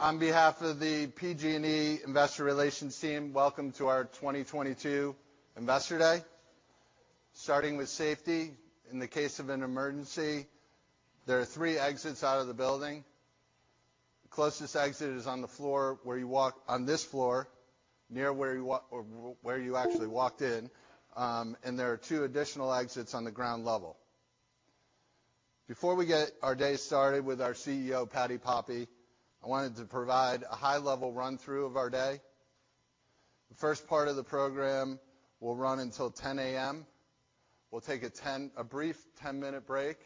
On behalf of the PG&E investor relations team, welcome to our 2022 Investor Day. Starting with safety, in the case of an emergency, there are three exits out of the building. The closest exit is on the floor where you walk on this floor near where you walk or where you actually walked in, and there are two additional exits on the ground level. Before we get our day started with our Chief Executive Officer, Patti Poppe, I wanted to provide a high-level run-through of our day. The first part of the program will run until 10 A.M. We'll take a brief 10-minute break,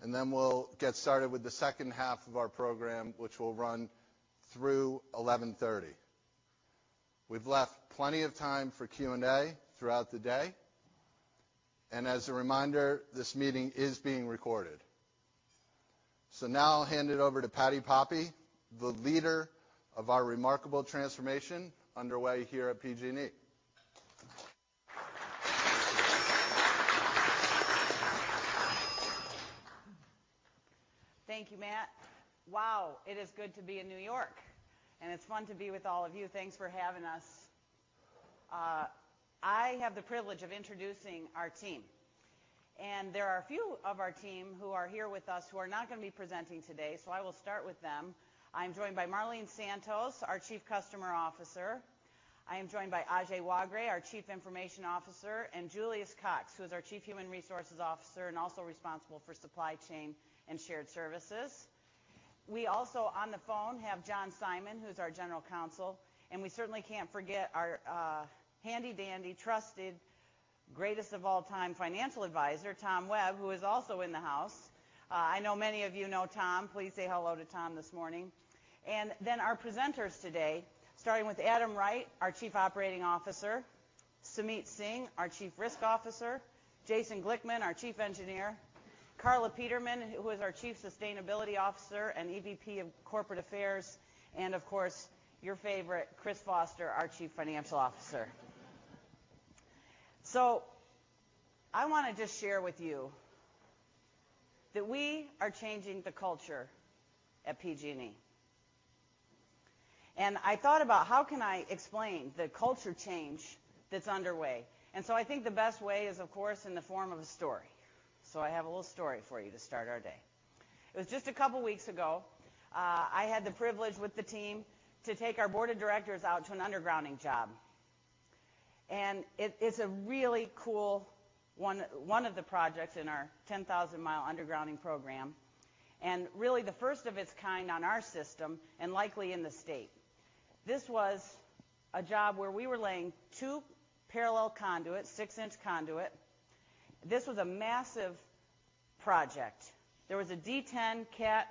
and then we'll get started with the second half of our program, which will run through 11:30 A.M. We've left plenty of time for Q&A throughout the day, and as a reminder, this meeting is being recorded. Now I'll hand it over to Patti Poppe, the leader of our remarkable transformation underway here at PG&E. Thank you Matt. Wow, it is good to be in New York, and it's fun to be with all of you. Thanks for having us. I have the privilege of introducing our team, and there are a few of our team who are here with us who are not going to be presenting today, so I will start with them. I'm joined by Marlene Santos, our Chief Customer Officer. I am joined by Ajay Waghray, our Chief Information Officer, and Julius Cox, who is our Chief Human Resources Officer and also responsible for supply chain and shared services. We also on the phone have John Simon, who's our General Counsel, and we certainly can't forget our, handy dandy, trusted, greatest of all time, who is also in the house. I know many of you know Tom. Please say hello to Tom this morning. Our presenters today, starting with Adam Wright, our Chief Operating Officer, Sumeet Singh, our Chief Risk Officer, Jason Glickman, our Chief Engineer, Carla Peterman, who is our Chief Sustainability Officer and EVP of Corporate Affairs, and of course, your favorite, Chris Foster, our Chief Financial Officer. I wanna just share with you that we are changing the culture at PG&E. I thought about how can I explain the culture change that's underway. I think the best way is, of course, in the form of a story. I have a little story for you to start our day. It was just a couple weeks ago, I had the privilege with the team to take our board of directors out to an undergrounding job. It's a really cool one of the projects in our 10,000 mi undergrounding program, and really the first of its kind on our system and likely in the state. This was a job where we were laying two parallel conduits, six-inch conduit. This was a massive project. There was a D10 Cat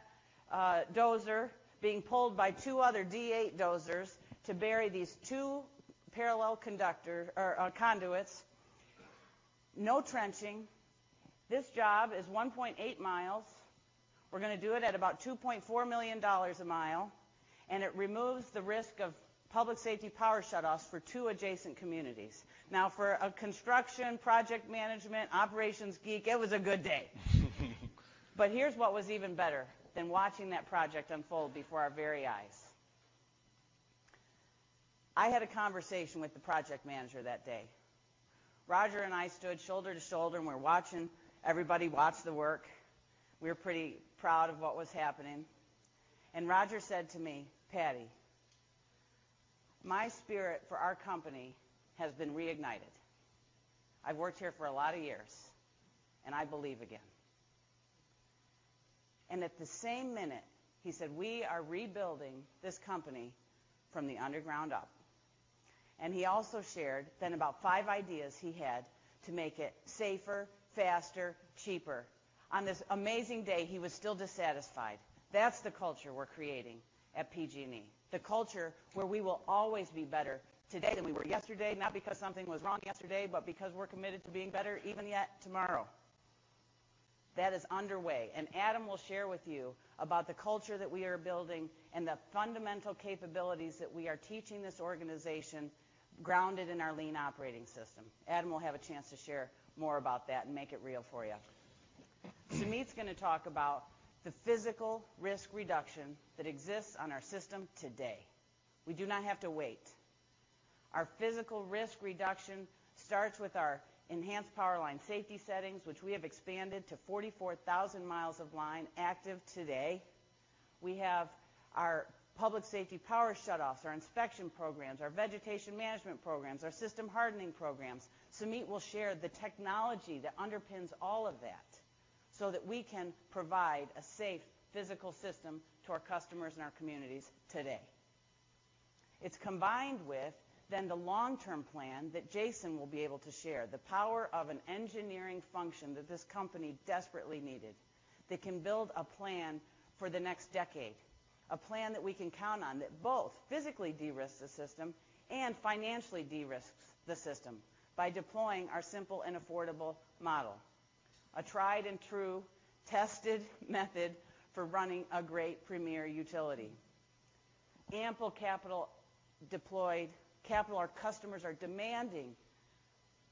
dozer being pulled by two other D8 dozers to bury these two parallel conduits. No trenching. This job is 1.8 mi. We're gonna do it at about $2.4 million a mile, and it removes the risk of public safety power shutoffs for two adjacent communities. Now, for a construction project management operations geek, it was a good day. Here's what was even better than watching that project unfold before our very eyes. I had a conversation with the project manager that day. Roger and I stood shoulder to shoulder, and we're watching. Everybody watched the work. We were pretty proud of what was happening. Roger said to me, "Patti, my spirit for our company has been reignited. I've worked here for a lot of years, and I believe again." At the same minute, he said, "We are rebuilding this company from the ground up." He also shared then about five ideas he had to make it safer, faster, cheaper. On this amazing day, he was still dissatisfied. That's the culture we're creating at PG&E, the culture where we will always be better today than we were yesterday, not because something was wrong yesterday, but because we're committed to being better even yet tomorrow. That is underway. Adam will share with you about the culture that we are building and the fundamental capabilities that we are teaching this organization grounded in our lean operating system. Adam will have a chance to share more about that and make it real for you. Sumeet's gonna talk about the physical risk reduction that exists on our system today. We do not have to wait. Our physical risk reduction starts with our Enhanced Powerline Safety Settings, which we have expanded to 44,000 mi of line active today. We have our public safety power shutoffs, our inspection programs, our vegetation management programs, our system hardening programs. Sumeet will share the technology that underpins all of that so that we can provide a safe physical system to our customers and our communities today. It's combined with then the long-term plan that Jason will be able to share, the power of an engineering function that this company desperately needed that can build a plan for the next decade, a plan that we can count on that both physically de-risks the system and financially de-risks the system by deploying our simple and affordable model, a tried and true, tested method for running a great premier utility. Ample capital deployed. Capital our customers are demanding.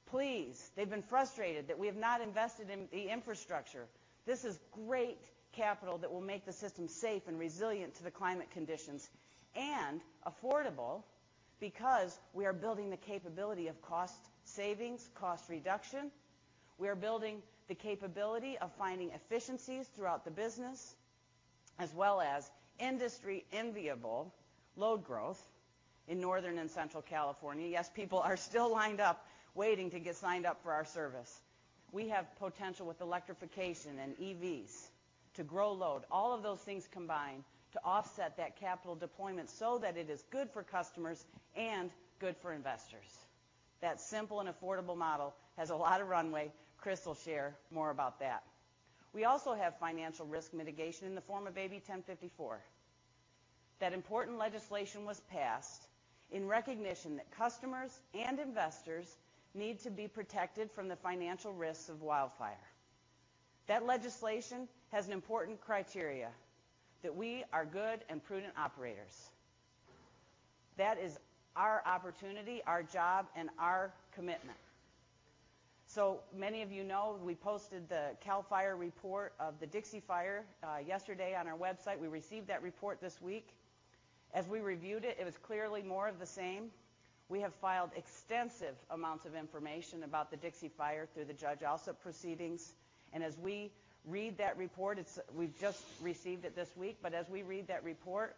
Please, they've been frustrated that we have not invested in the infrastructure. This is great capital that will make the system safe and resilient to the climate conditions and affordable because we are building the capability of cost savings, cost reduction. We are building the capability of finding efficiencies throughout the business as well as industry enviable load growth in Northern and Central California. Yes, people are still lined up waiting to get signed up for our service. We have potential with electrification and EVs to grow load. All of those things combine to offset that capital deployment so that it is good for customers and good for investors. That simple and affordable model has a lot of runway. Chris will share more about that. We also have financial risk mitigation in the form of AB 1054. That important legislation was passed in recognition that customers and investors need to be protected from the financial risks of wildfire. That legislation has an important criteria that we are good and prudent operators. That is our opportunity, our job, and our commitment. Many of you know we posted the CAL FIRE report of the Dixie Fire yesterday on our website. We received that report this week. As we reviewed it was clearly more of the same. We have filed extensive amounts of information about the Dixie Fire through the Judge Alsup proceedings, and as we read that report, we've just received it this week. As we read that report,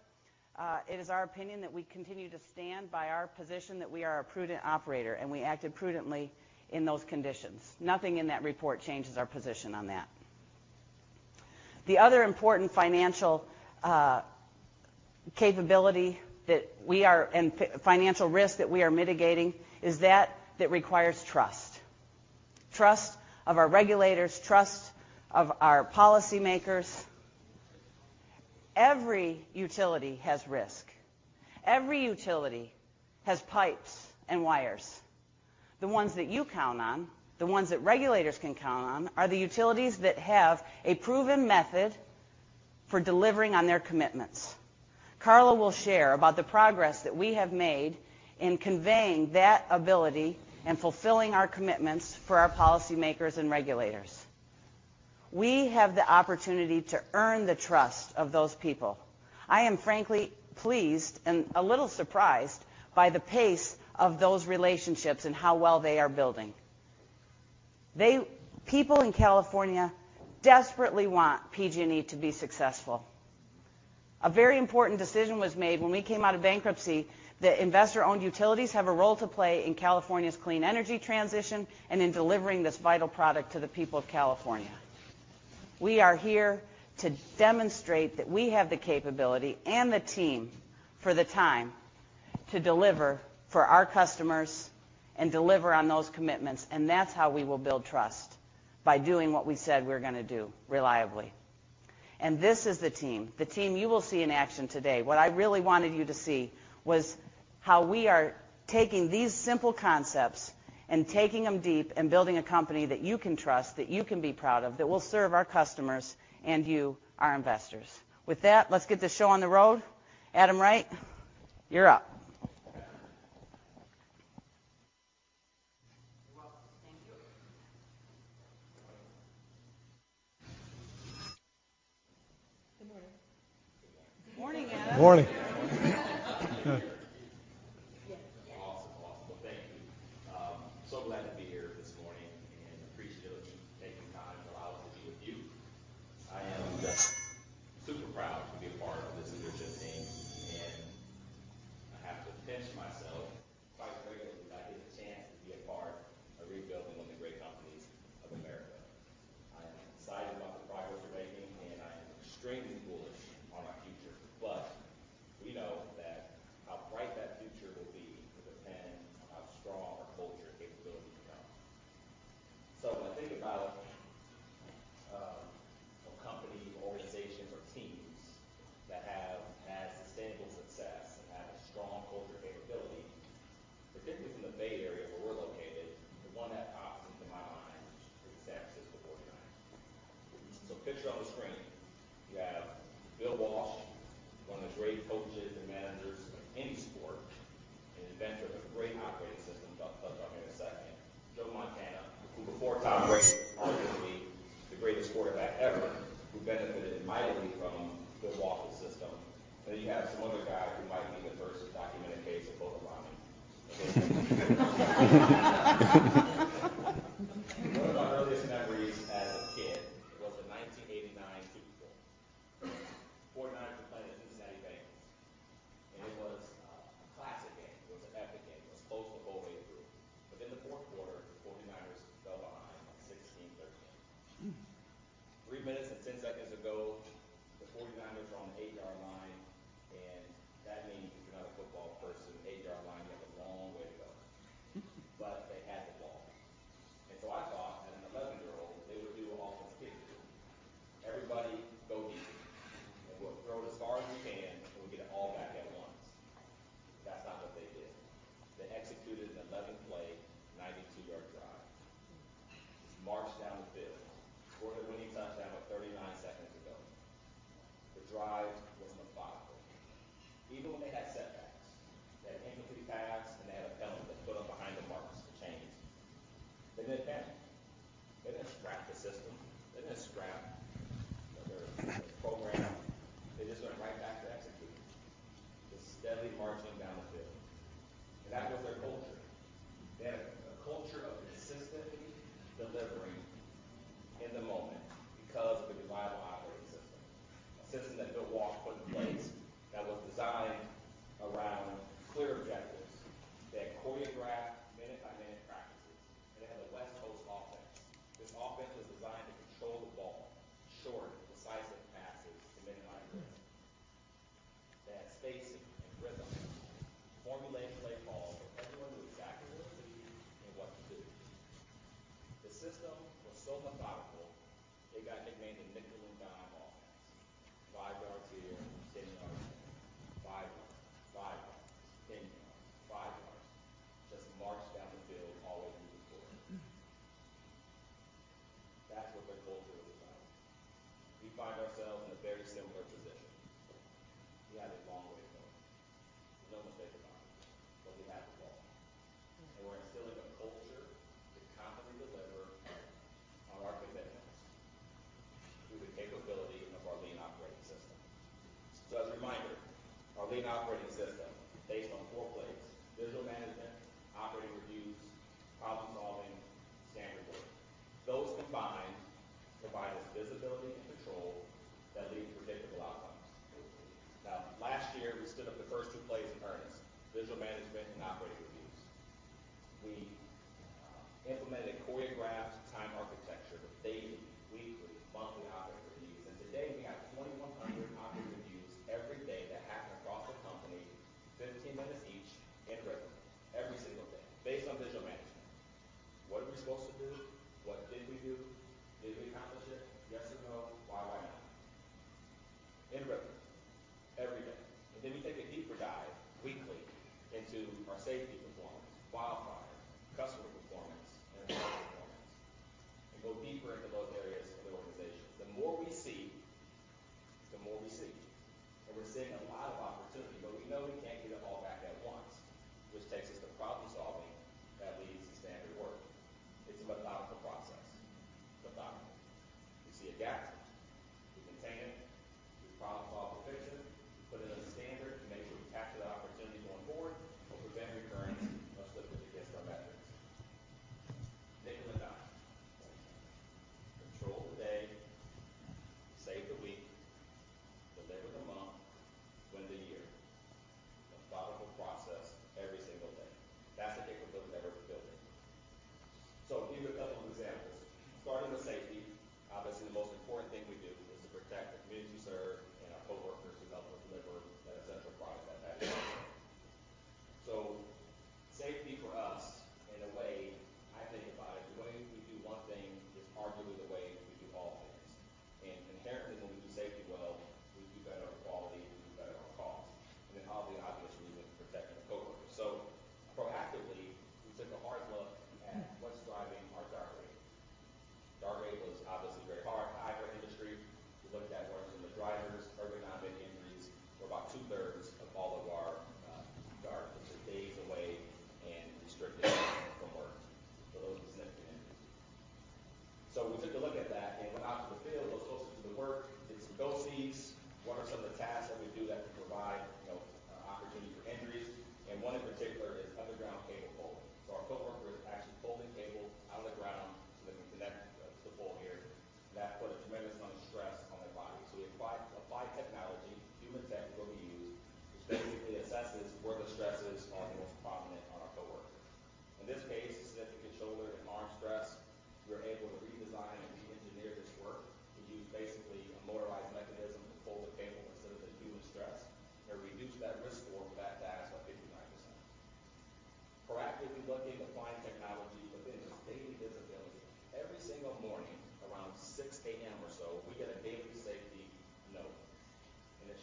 it is our opinion that we continue to stand by our position that we are a prudent operator, and we acted prudently in those conditions. Nothing in that report changes our position on that. The other important financial capability that we are and financial risk that we are mitigating is that requires trust. Trust of our regulators, trust of our policymakers. Every utility has risk. Every utility has pipes and wires. The ones that you count on, the ones that regulators can count on are the utilities that have a proven method for delivering on their commitments. Carla will share about the progress that we have made in conveying that ability and fulfilling our commitments for our policymakers and regulators. We have the opportunity to earn the trust of those people. I am frankly pleased and a little surprised by the pace of those relationships and how well they are building. People in California desperately want PG&E to be successful. A very important decision was made when we came out of bankruptcy that investor-owned utilities have a role to play in California's clean energy transition and in delivering this vital product to the people of California. We are here to demonstrate that we have the capability and the team for the time to deliver for our customers and deliver on those commitments, and that's how we will build trust by doing what we said we're gonna do reliably. This is the team you will see in action today. What I really wanted you to see was how we are taking these simple concepts and taking them deep and building a company that you can trust, that you can be proud of, that will serve our customers and you, our investors. With that, let's get this show on the road. Adam Wright, you're up. You're welcome. Thank you. Good morning. Good morning. Morning, Adam. We find ourselves in a very similar position. We have a long way to go. There's no mistaking on that, but we have a goal. We're instilling a culture to confidently deliver on our commitments through the capability of our lean operating system. As a reminder, our lean operating system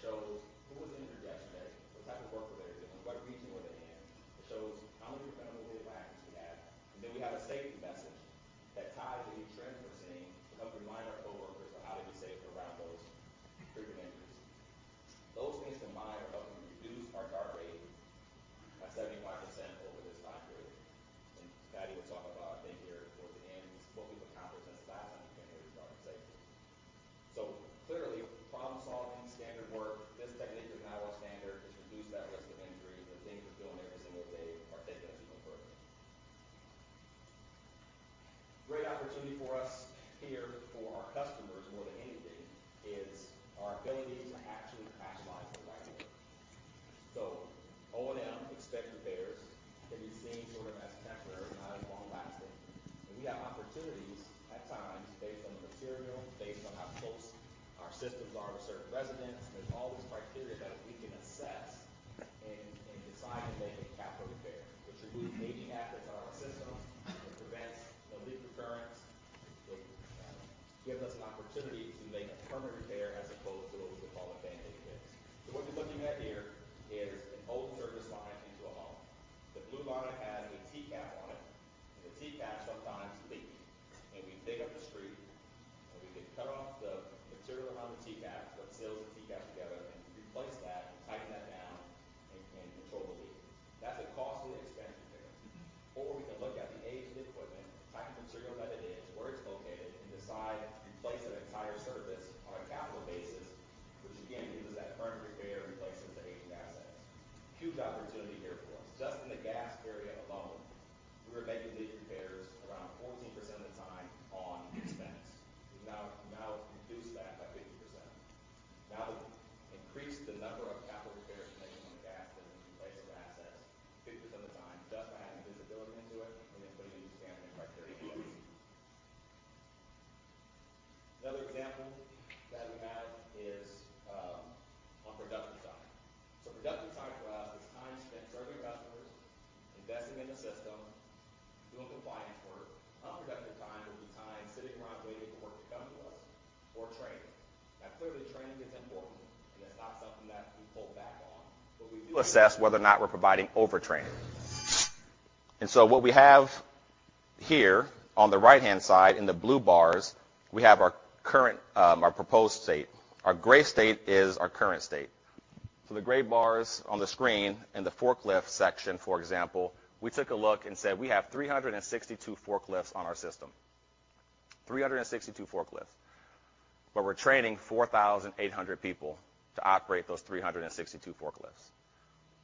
so that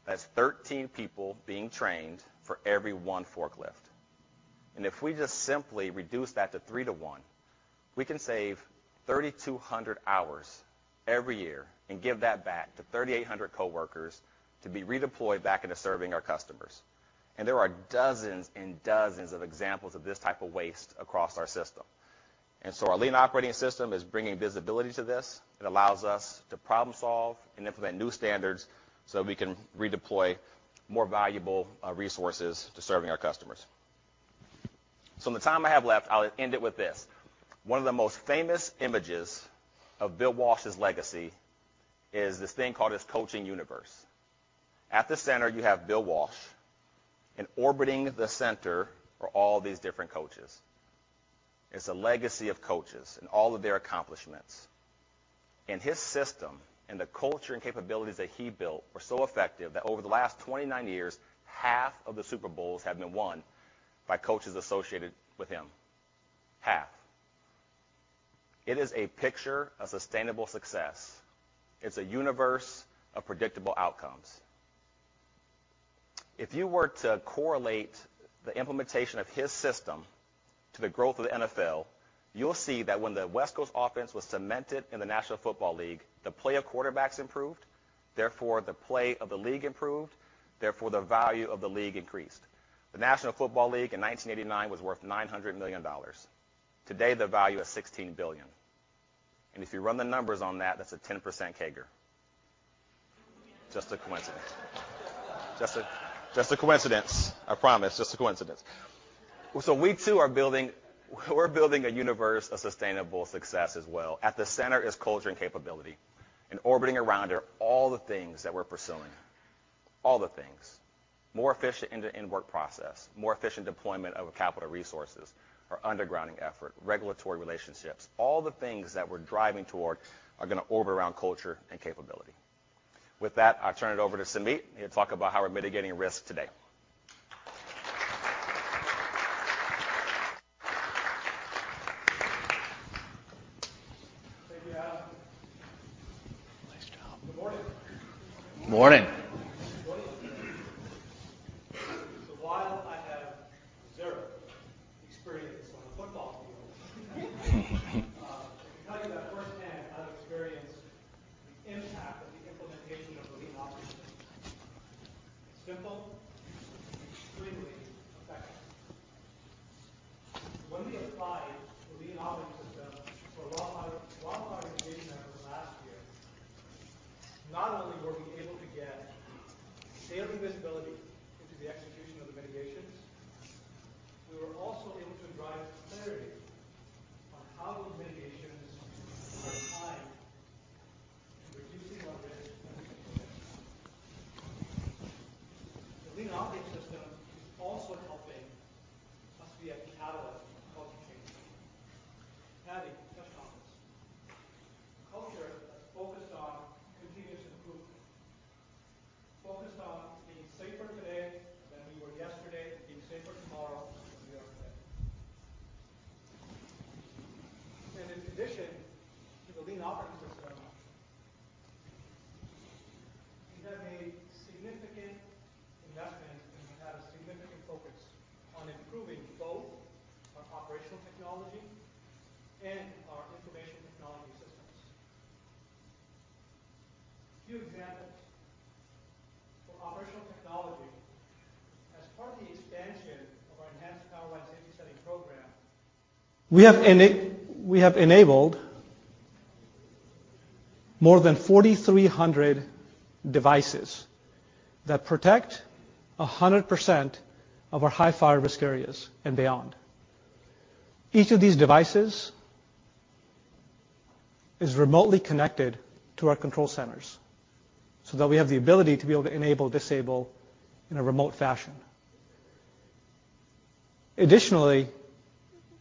That's 13 people being trained for every one forklift. If we just simply reduce that to three to one we can save 3,200 hours every year and give that back to 3,800 coworkers to be redeployed back into serving our customers. There are dozens and dozens of examples of this type of waste across our system. Our lean operating system is bringing visibility to this. It allows us to problem solve and implement new standards so we can redeploy more valuable resources to serving our customers. In the time I have left, I'll end it with this. One of the most famous images of Bill Walsh's legacy is this thing called his coaching universe. At the center, you have Bill Walsh, and orbiting the center are all these different coaches. It's a legacy of coaches and all of their accomplishments. His system and the culture and capabilities that he built were so effective that over the last 29 years, half of the Super Bowls have been won by coaches associated with him. Half. It is a picture of sustainable success. It's a universe of predictable outcomes. If you were to correlate the implementation of his system to the growth of the NFL, you'll see that when the West Coast offense was cemented in the National Football League, the play of quarterbacks improved, therefore, the play of the league improved, therefore, the value of the league increased. The National Football League in 1989 was worth $900 million. Today, the value is $16 billion. If you run the numbers on that's a 10% CAGR. Just a coincidence. Just a coincidence. I promise, just a coincidence. We too are building, we're building a universe of sustainable success as well. At the center is culture and capability, and orbiting around are all the things that we're pursuing. All the things. More efficient end-to-end work process, more efficient deployment of capital resources, our undergrounding effort, regulatory relationships. All the things that we're driving toward are gonna orbit around culture and capability. With that, I'll turn it over to Sumeet. He'll talk about how we're mitigating risk today.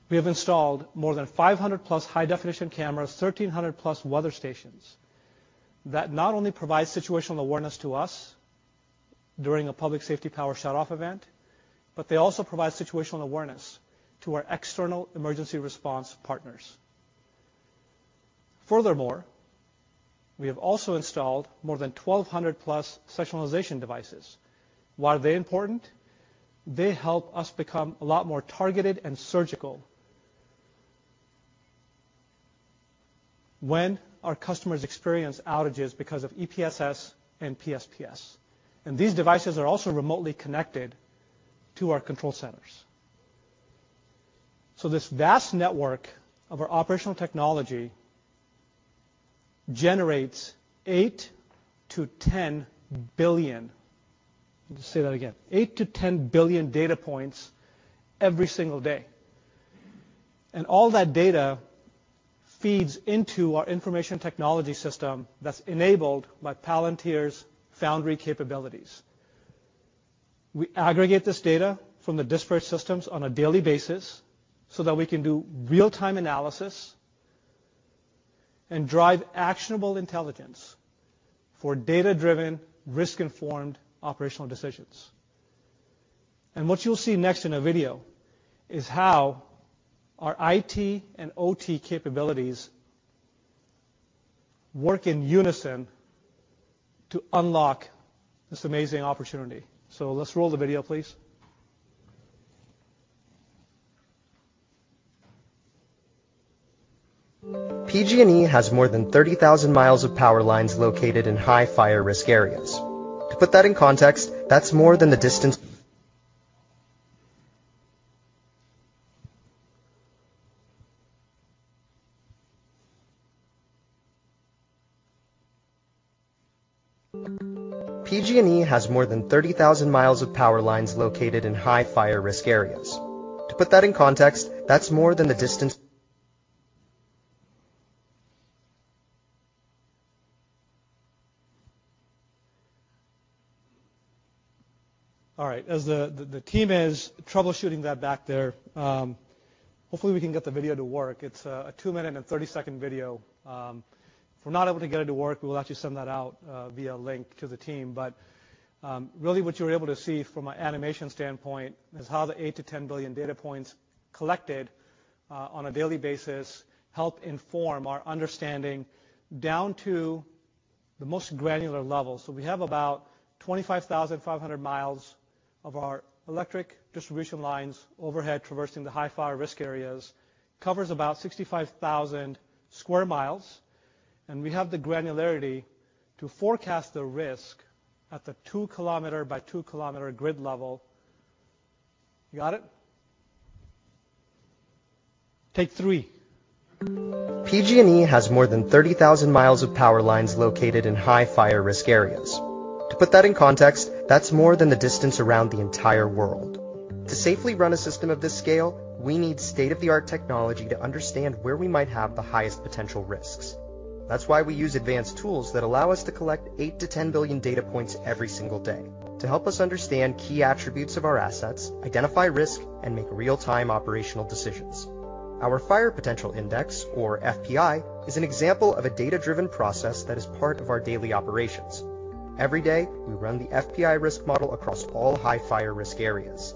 we have installed more than 500+ high definition cameras, 1,300+ weather stations that not only provide situational awareness to us during a public safety power shutoff event, but they also provide situational awareness to our external emergency response partners. Furthermore, we have also installed more than 1,200+ sectionalization devices. Why are they important? They help us become a lot more targeted and surgical when our customers experience outages because of EPSS and PSPS. These devices are also remotely connected to our control centers. This vast network of our operational technology generates 8 billion-10 billion, let me just say that again, 8 billion-10 billion data points every single day. All that data feeds into our information technology system that's enabled by Palantir Foundry capabilities. We aggregate this data from the disparate systems on a daily basis so that we can do real-time analysis and drive actionable intelligence for data-driven, risk-informed operational decisions. What you'll see next in a video is how our IT and OT capabilities work in unison to unlock this amazing opportunity. Let's roll the video, please. PG&E has more than 30,000 mi of power lines located in high fire risk areas. To put that in context, that's more than the distance. All right. As the team is troubleshooting that back there, hopefully we can get the video to work. It's a two minute and 30-second video. If we're not able to get it to work, we will actually send that out via link to the team. Really what you're able to see from an animation standpoint is how the 8 billion-10 billion data points collected on a daily basis help inform our understanding down to the most granular level. We have about 25,500 mi of our electric distribution lines overhead traversing the high fire risk areas. Covers about 65,000 sq mi, and we have the granularity to forecast the risk at the 2 km by 2 km grid level. You got it? Take three. PG&E has more than 30,000 mi of power lines located in high fire risk areas. To put that in context, that's more than the distance around the entire world. To safely run a system of this scale, we need state-of-the-art technology to understand where we might have the highest potential risks. That's why we use advanced tools that allow us to collect 8 billion-10 billion data points every single day to help us understand key attributes of our assets, identify risk, and make real-time operational decisions. Our Fire Potential Index, or FPI, is an example of a data-driven process that is part of our daily operations. Every day, we run the FPI risk model across all high fire risk areas.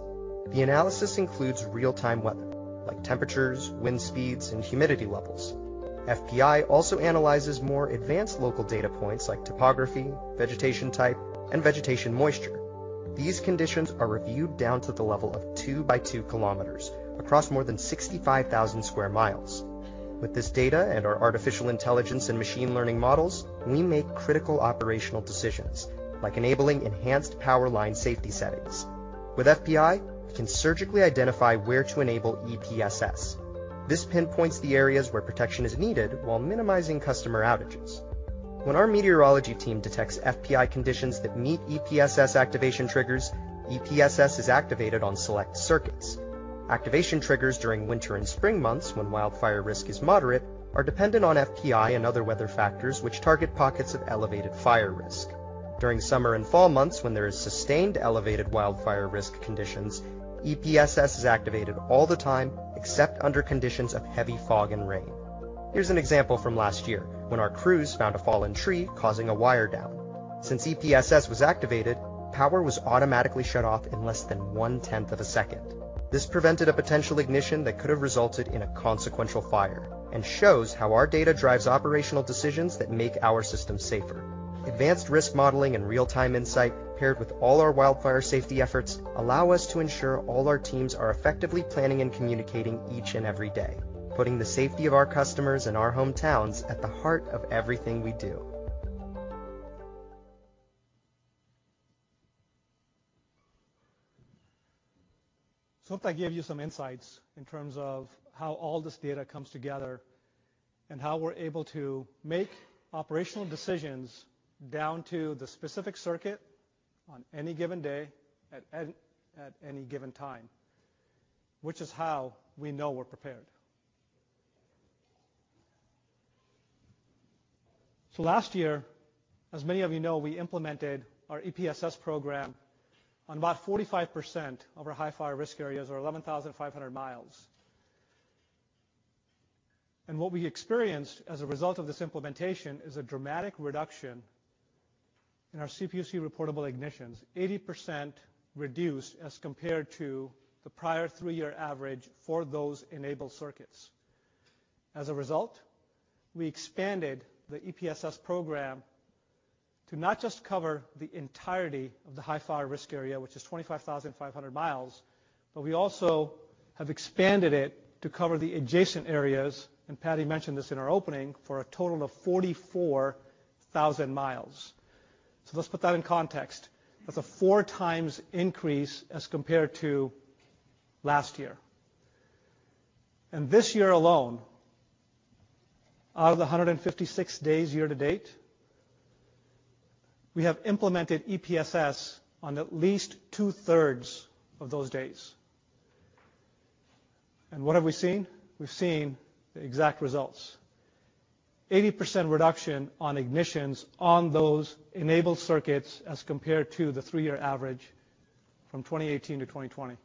The analysis includes real-time weather, like temperatures, wind speeds, and humidity levels. FPI also analyzes more advanced local data points like topography, vegetation type, and vegetation moisture. These conditions are reviewed down to the level of 2 km x 2 km across more than 65,000 sq mi. With this data and our artificial intelligence and machine learning models, we make critical operational decisions, like enabling enhanced power line safety settings. With FPI, we can surgically identify where to enable EPSS. This pinpoints the areas where protection is needed while minimizing customer outages. When our meteorology team detects FPI conditions that meet EPSS activation triggers, EPSS is activated on select circuits. Activation triggers during winter and spring months, when wildfire risk is moderate, are dependent on FPI and other weather factors which target pockets of elevated fire risk. During summer and fall months, when there is sustained elevated wildfire risk conditions, EPSS is activated all the time except under conditions of heavy fog and rain. Here's an example from last year when our crews found a fallen tree causing a wire down. Since EPSS was activated, power was automatically shut off in less than one-tenth of a second. This prevented a potential ignition that could have resulted in a consequential fire and shows how our data drives operational decisions that make our system safer. Advanced risk modeling and real-time insight paired with all our wildfire safety efforts allow us to ensure all our teams are effectively planning and communicating each and every day, putting the safety of our customers and our hometowns at the heart of everything we do. I hope that gave you some insights in terms of how all this data comes together and how we're able to make operational decisions down to the specific circuit on any given day at any given time, which is how we know we're prepared. Last year, as many of you know, we implemented our EPSS program on about 45% of our high fire risk areas or 11,500 mi. What we experienced as a result of this implementation is a dramatic reduction in our CPUC reportable ignitions. 80% reduced as compared to the prior three-year average for those enabled circuits. As a result, we expanded the EPSS program to not just cover the entirety of the high fire risk area, which is 25,500 mi, but we also have expanded it to cover the adjacent areas, and Patti mentioned this in our opening, for a total of 44,000 mi. Let's put that in context. That's a 4x increase as compared to last year. This year alone, out of the 156 days year to date, we have implemented EPSS on at least 2/3 of those days. What have we seen? We've seen the exact results. 80% reduction on ignitions on those enabled circuits as compared to the three year average from 2018 to 2020.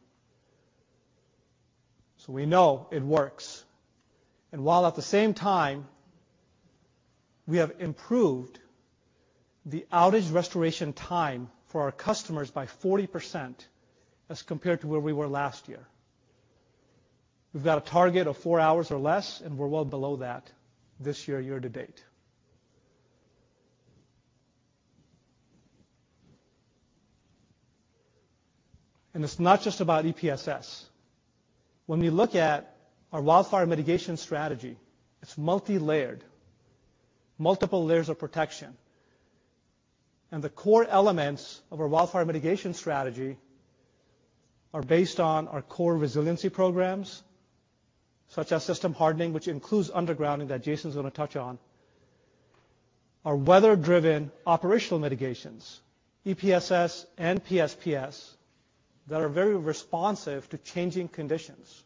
We know it works. While at the same time, we have improved the outage restoration time for our customers by 40% as compared to where we were last year. We've got a target of four hours or less, and we're well below that this year to date. It's not just about EPSS. When we look at our wildfire mitigation strategy, it's multilayered, multiple layers of protection. The core elements of our wildfire mitigation strategy are based on our core resiliency programs, such as system hardening, which includes undergrounding that Jason's gonna touch on. Our weather-driven operational mitigations, EPSS and PSPS, that are very responsive to changing conditions.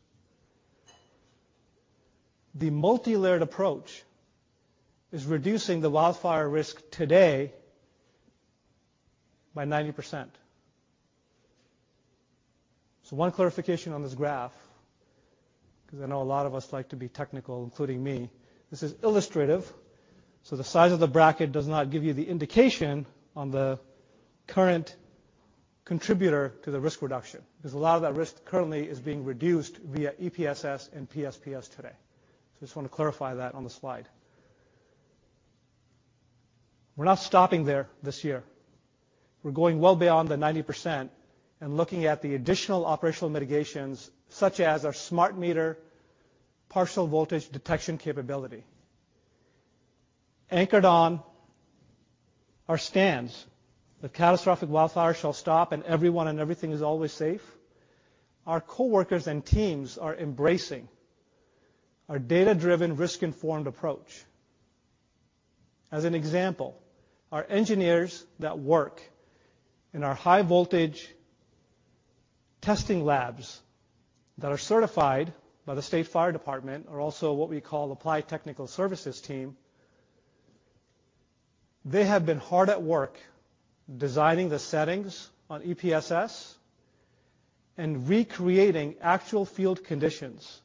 The multilayered approach is reducing the wildfire risk today by 90%. One clarification on this graph, because I know a lot of us like to be technical, including me. This is illustrative, so the size of the bracket does not give you the indication on the current contributor to the risk reduction, because a lot of that risk currently is being reduced via EPSS and PSPS today. I just want to clarify that on the slide. We're not stopping there this year. We're going well beyond the 90% and looking at the additional operational mitigations, such as our smart meter partial voltage detection capability. Anchored on our stance that catastrophic wildfires shall stop and everyone and everything is always safe, our coworkers and teams are embracing our data-driven, risk-informed approach. As an example, our engineers that work in our high voltage testing labs that are certified by the state fire department are also what we call applied technical services team. They have been hard at work designing the settings on EPSS and recreating actual field conditions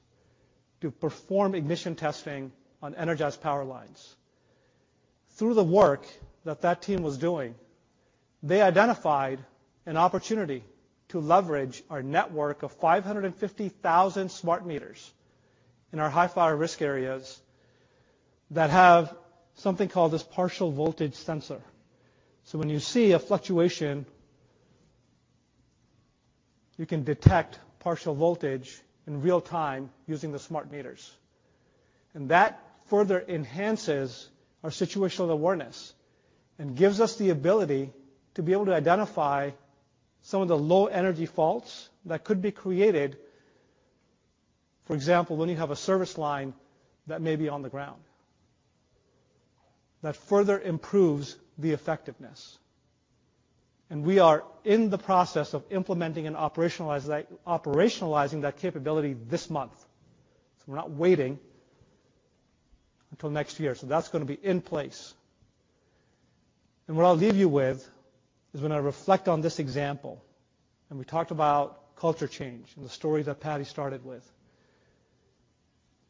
to perform ignition testing on energized power lines. Through the work that team was doing, they identified an opportunity to leverage our network of 550,000 smart meters in our high fire risk areas that have something called this partial voltage sensor. When you see a fluctuation, you can detect partial voltage in real time using the smart meters. That further enhances our situational awareness and gives us the ability to be able to identify some of the low-energy faults that could be created, for example, when you have a service line that may be on the ground. That further improves the effectiveness. We are in the process of implementing and operationalizing that capability this month. We're not waiting until next year. That's gonna be in place. What I'll leave you with is when I reflect on this example, and we talked about culture change and the story that Patti started with.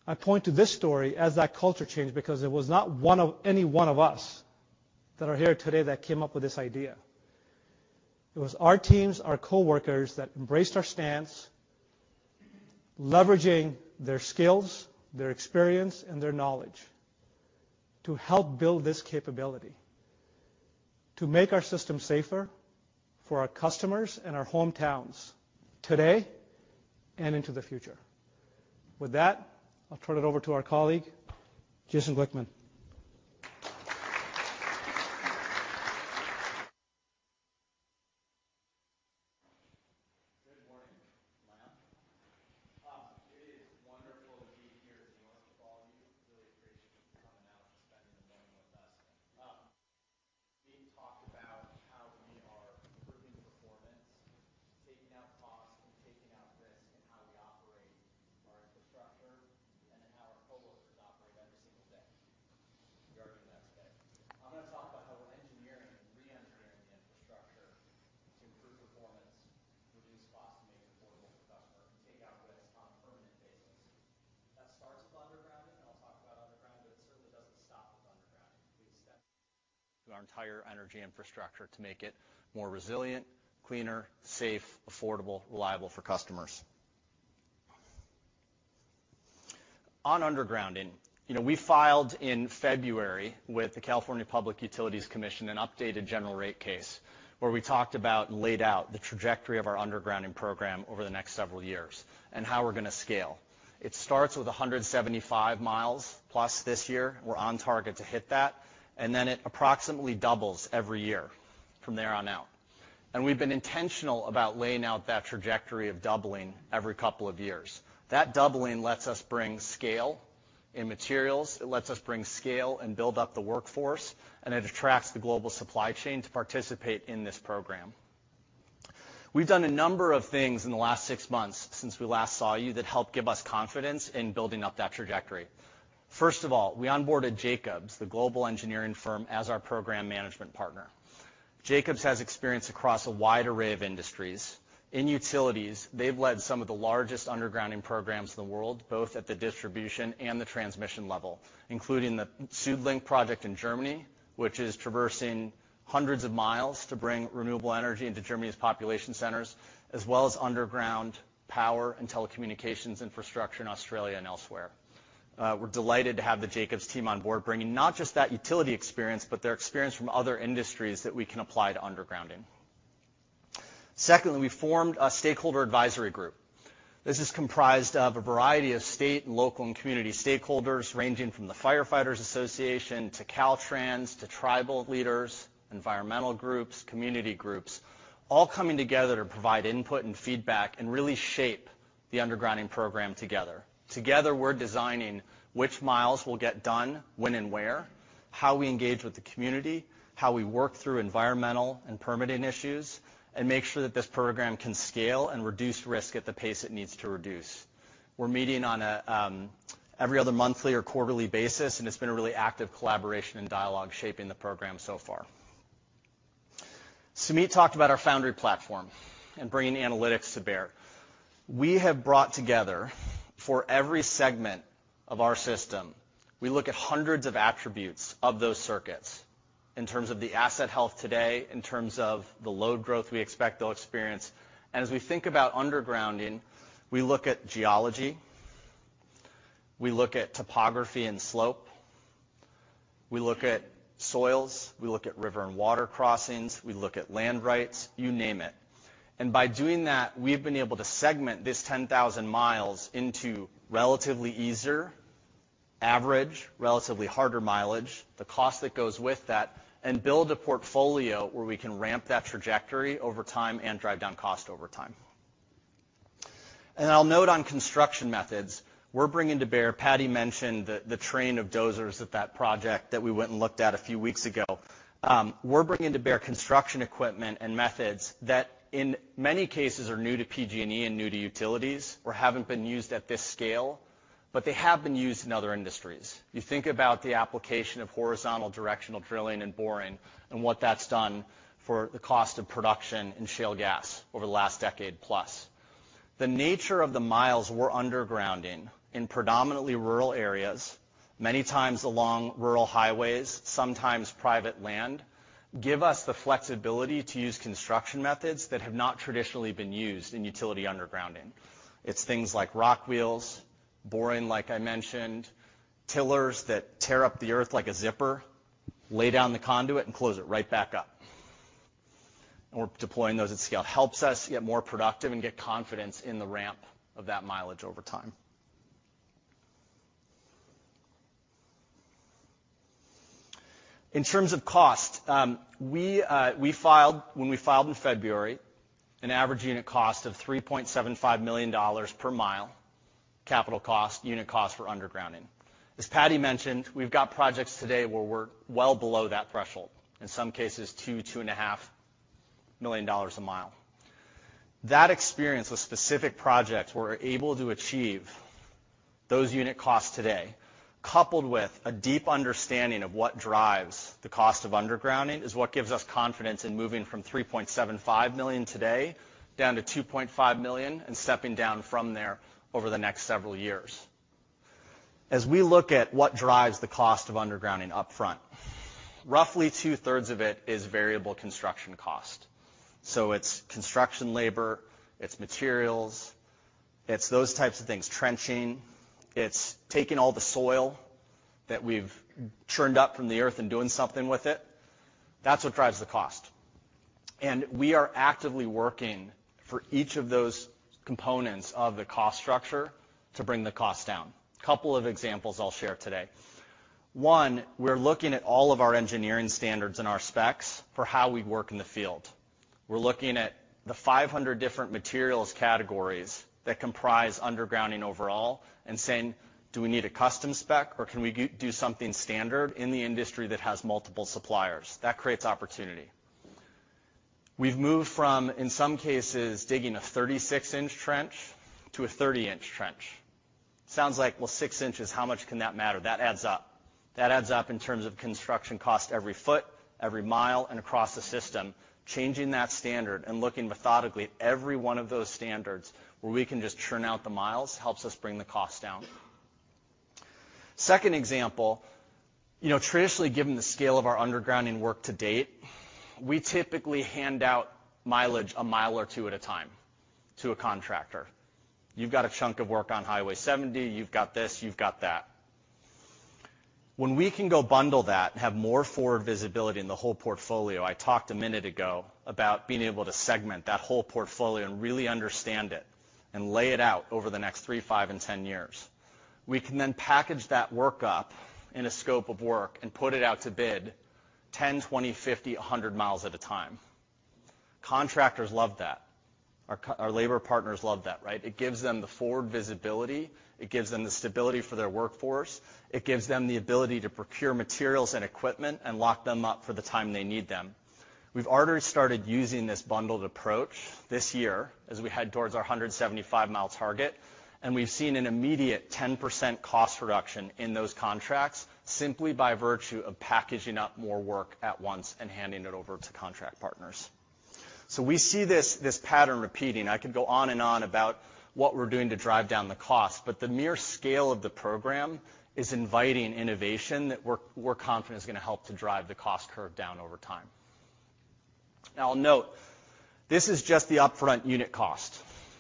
I point to this story as that culture change because it was not any one of us that are here today that came up with this idea. It was our teams, our coworkers that embraced our stance, leveraging their skills, their experience, and their knowledge to help build this capability. To make our system safer for our customers and our hometowns today and into the future. With that, I'll turn it over to our colleague, Jason Glickman. and then it approximately doubles every year from there on out. We've been intentional about laying out that trajectory of doubling every couple of years. That doubling lets us bring scale in materials, it lets us bring scale and build up the workforce, and it attracts the global supply chain to participate in this program. We've done a number of things in the last six months since we last saw you that helped give us confidence in building up that trajectory. First of all, we onboarded Jacobs, the global engineering firm, as our program management partner. Jacobs has experience across a wide array of industries. In utilities, they've led some of the largest undergrounding programs in the world, both at the distribution and the transmission level, including the SuedLink project in Germany, which is traversing hundreds of miles to bring renewable energy into Germany's population centers, as well as underground power and telecommunications infrastructure in Australia and elsewhere. We're delighted to have the Jacobs team on board, bringing not just that utility experience, but their experience from other industries that we can apply to undergrounding. Secondly, we formed a stakeholder advisory group. This is comprised of a variety of state and local and community stakeholders, ranging from the Firefighters Association to Caltrans to tribal leaders, environmental groups, community groups, all coming together to provide input and feedback and really shape the undergrounding program together. Together, we're designing which miles will get done when and where, how we engage with the community, how we work through environmental and permitting issues, and make sure that this program can scale and reduce risk at the pace it needs to reduce. We're meeting on a every other monthly or quarterly basis, and it's been a really active collaboration and dialogue shaping the program so far. Sumeet talked about our Foundry platform and bringing analytics to bear. We have brought together for every segment of our system, we look at hundreds of attributes of those circuits in terms of the asset health today, in terms of the load growth we expect they'll experience. As we think about undergrounding, we look at geology, we look at topography and slope, we look at soils, we look at river and water crossings, we look at land rights, you name it. By doing that, we've been able to segment this 10,000 mi into relatively easier, average, relatively harder mileage, the cost that goes with that, and build a portfolio where we can ramp that trajectory over time and drive down cost over time. I'll note on construction methods, we're bringing to bear. Patti mentioned the train of dozers at that project that we went and looked at a few weeks ago. We're bringing to bear construction equipment and methods that in many cases are new to PG&E and new to utilities or haven't been used at this scale, but they have been used in other industries. You think about the application of horizontal directional drilling and boring and what that's done for the cost of production in shale gas over the last decade plus. The nature of the miles we're undergrounding in predominantly rural areas, many times along rural highways, sometimes private land, give us the flexibility to use construction methods that have not traditionally been used in utility undergrounding. It's things like rock wheels, boring, like I mentioned, tillers that tear up the earth like a zipper, lay down the conduit, and close it right back up. We're deploying those at scale. Helps us get more productive and get confidence in the ramp of that mileage over time. In terms of cost, we filed, when we filed in February, an average unit cost of $3.75 million per mile capital cost, unit cost for undergrounding. As Patti mentioned, we've got projects today where we're well below that threshold, in some cases $2 million-$2.5 million a mile. That experience with specific projects we're able to achieve those unit costs today, coupled with a deep understanding of what drives the cost of undergrounding, is what gives us confidence in moving from $3.75 million today down to $2.5 million and stepping down from there over the next several years. As we look at what drives the cost of undergrounding upfront, roughly two-thirds of it is variable construction cost. It's construction labor, it's materials, it's those types of things. Trenching, it's taking all the soil that we've churned up from the earth and doing something with it. That's what drives the cost. We are actively working for each of those components of the cost structure to bring the cost down. Couple of examples I'll share today. One, we're looking at all of our engineering standards and our specs for how we work in the field. We're looking at the 500 different materials categories that comprise undergrounding overall and saying, "Do we need a custom spec or can we do something standard in the industry that has multiple suppliers?" That creates opportunity. We've moved from, in some cases, digging a 36 in trench to a 30 in trench. Sounds like, well, 6 in, how much can that matter? That adds up. That adds up in terms of construction cost every foot, every mile, and across the system. Changing that standard and looking methodically at every one of those standards where we can just churn out the miles helps us bring the cost down. Second example. You know, traditionally, given the scale of our undergrounding work to date, we typically hand out mileage a mile or two at a time to a contractor. You've got a chunk of work on Highway 70. You've got this, you've got that. When we can go bundle that and have more forward visibility in the whole portfolio, I talked a minute ago about being able to segment that whole portfolio and really understand it and lay it out over the next three, five, and 10 years. We can then package that work up in a scope of work and put it out to bid 10 mi, 20 mi, 50 mi, 100 mi at a time. Contractors love that. Our labor partners love that, right? It gives them the forward visibility. It gives them the stability for their workforce. It gives them the ability to procure materials and equipment and lock them up for the time they need them. We've already started using this bundled approach this year as we head towards our 175 mi target, and we've seen an immediate 10% cost reduction in those contracts simply by virtue of packaging up more work at once and handing it over to contract partners. We see this pattern repeating. I could go on and on about what we're doing to drive down the cost, but the mere scale of the program is inviting innovation that we're confident is gonna help to drive the cost curve down over time. Now I'll note this is just the upfront unit cost,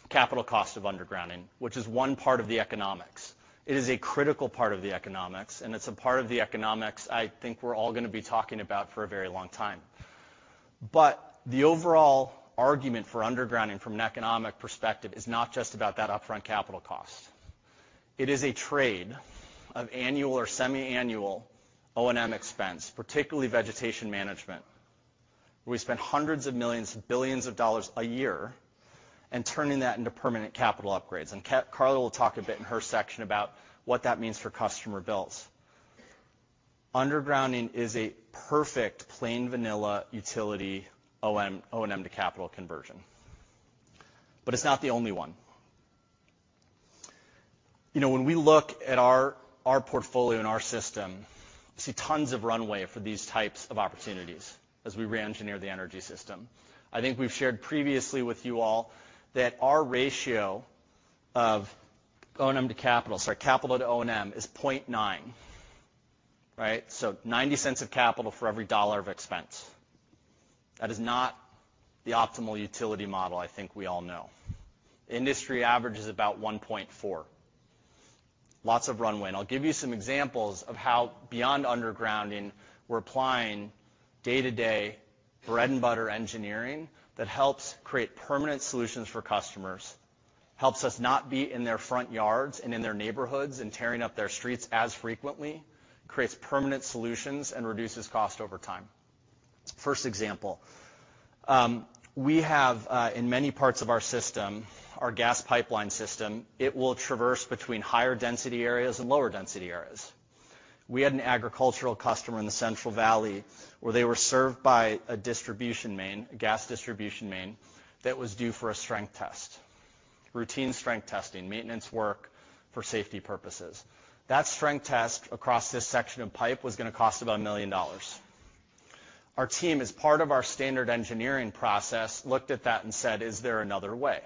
capital cost of undergrounding, which is one part of the economics. It is a critical part of the economics, and it's a part of the economics I think we're all gonna be talking about for a very long time. The overall argument for undergrounding from an economic perspective is not just about that upfront capital cost. It is a trade of annual or semiannual O&M expense, particularly vegetation management, where we spend hundreds of millions and billions of dollars a year in turning that into permanent capital upgrades, and Carla will talk a bit in her section about what that means for customer bills. Undergrounding is a perfect plain vanilla utility O&M to capital conversion. It's not the only one. You know, when we look at our portfolio and our system, we see tons of runway for these types of opportunities as we re-engineer the energy system. I think we've shared previously with you all that our ratio of O&M to capital, sorry, capital to O&M is 0.9, right? So $0.90 of capital for every $1 of expense. That is not the optimal utility model I think we all know. Industry average is about 1.4. Lots of runway, and I'll give you some examples of how beyond undergrounding we're applying day-to-day bread and butter engineering that helps create permanent solutions for customers, helps us not be in their front yards and in their neighborhoods and tearing up their streets as frequently, creates permanent solutions, and reduces cost over time. First example. We have, in many parts of our system, our gas pipeline system, it will traverse between higher density areas and lower density areas. We had an agricultural customer in the Central Valley where they were served by a distribution main, a gas distribution main that was due for a strength test. Routine strength testing, maintenance work for safety purposes. That strength test across this section of pipe was gonna cost about a million dollar. Our team, as part of our standard engineering process, looked at that and said, "Is there another way?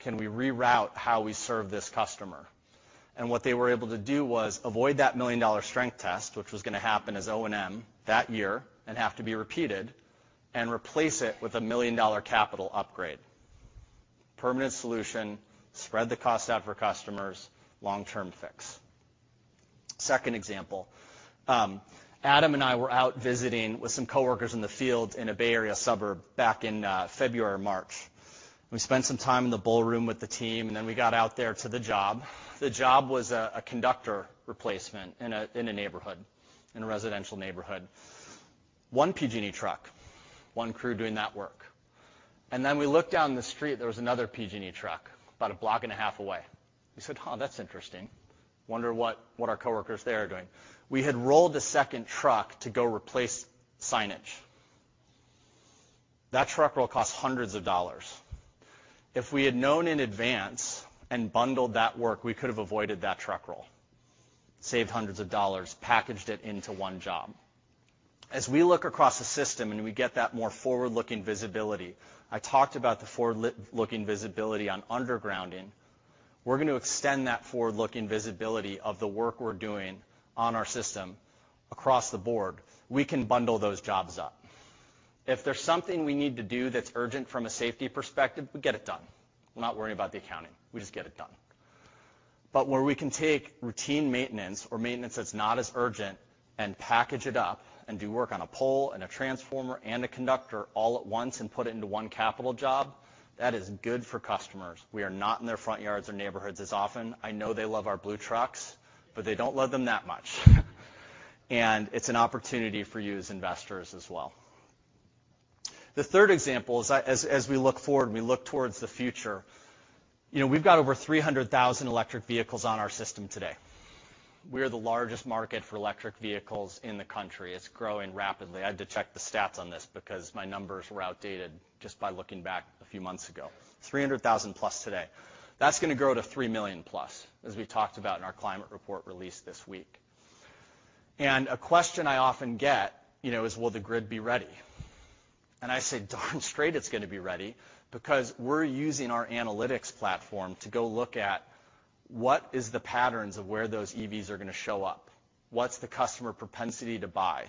Can we reroute how we serve this customer?" What they were able to do was avoid that million dollar strength test, which was gonna happen as O&M that year and have to be repeated, and replace it with a million dollar capital upgrade. Permanent solution, spread the cost out for customers, long-term fix. Second example. Adam and I were out visiting with some coworkers in the field in a Bay Area suburb back in February or March. We spent some time in the ballroom with the team, and then we got out there to the job. The job was a conductor replacement in a neighborhood, in a residential neighborhood. One PG&E truck, one crew doing that work. We looked down the street, there was another PG&E truck about a block and a half away. We said, "Huh, that's interesting. Wonder what our coworkers there are doing." We had rolled a second truck to go replace signage. That truck roll cost hundreds of dollar. If we had known in advance and bundled that work, we could have avoided that truck roll, saved hundreds of dollar, packaged it into one job. As we look across the system and we get that more forward-looking visibility, I talked about the forward-looking visibility on undergrounding. We're going to extend that forward-looking visibility of the work we're doing on our system across the board. We can bundle those jobs up. If there's something we need to do that's urgent from a safety perspective, we get it done. We're not worrying about the accounting. We just get it done. Where we can take routine maintenance or maintenance that's not as urgent and package it up and do work on a pole and a transformer and a conductor all at once and put it into one capital job, that is good for customers. We are not in their front yards or neighborhoods as often. I know they love our blue trucks, but they don't love them that much. It's an opportunity for you as investors as well. The third example is that as we look forward and we look towards the future, you know, we've got over 300,000 electric vehicles on our system today. We are the largest market for electric vehicles in the country. It's growing rapidly. I had to check the stats on this because my numbers were outdated just by looking back a few months ago. 300,000+ today. That's gonna grow to 3 million+, as we talked about in our climate report released this week. A question I often get, you know, is will the grid be ready? I say, "Darn straight it's gonna be ready," because we're using our analytics platform to go look at what is the patterns of where those EVs are gonna show up. What's the customer propensity to buy?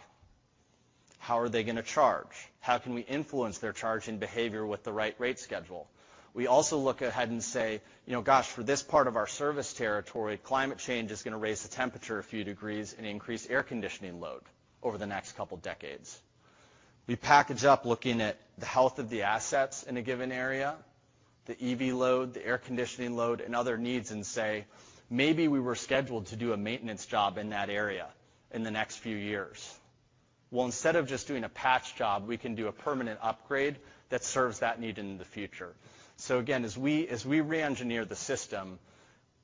How are they gonna charge? How can we influence their charging behavior with the right rate schedule? We also look ahead and say, you know, gosh, for this part of our service territory, climate change is gonna raise the temperature a few degrees and increase air conditioning load over the next couple decades. We package up looking at the health of the assets in a given area, the EV load, the air conditioning load, and other needs and say, maybe we were scheduled to do a maintenance job in that area in the next few years. Well, instead of just doing a patch job, we can do a permanent upgrade that serves that need in the future. Again, as we re-engineer the system,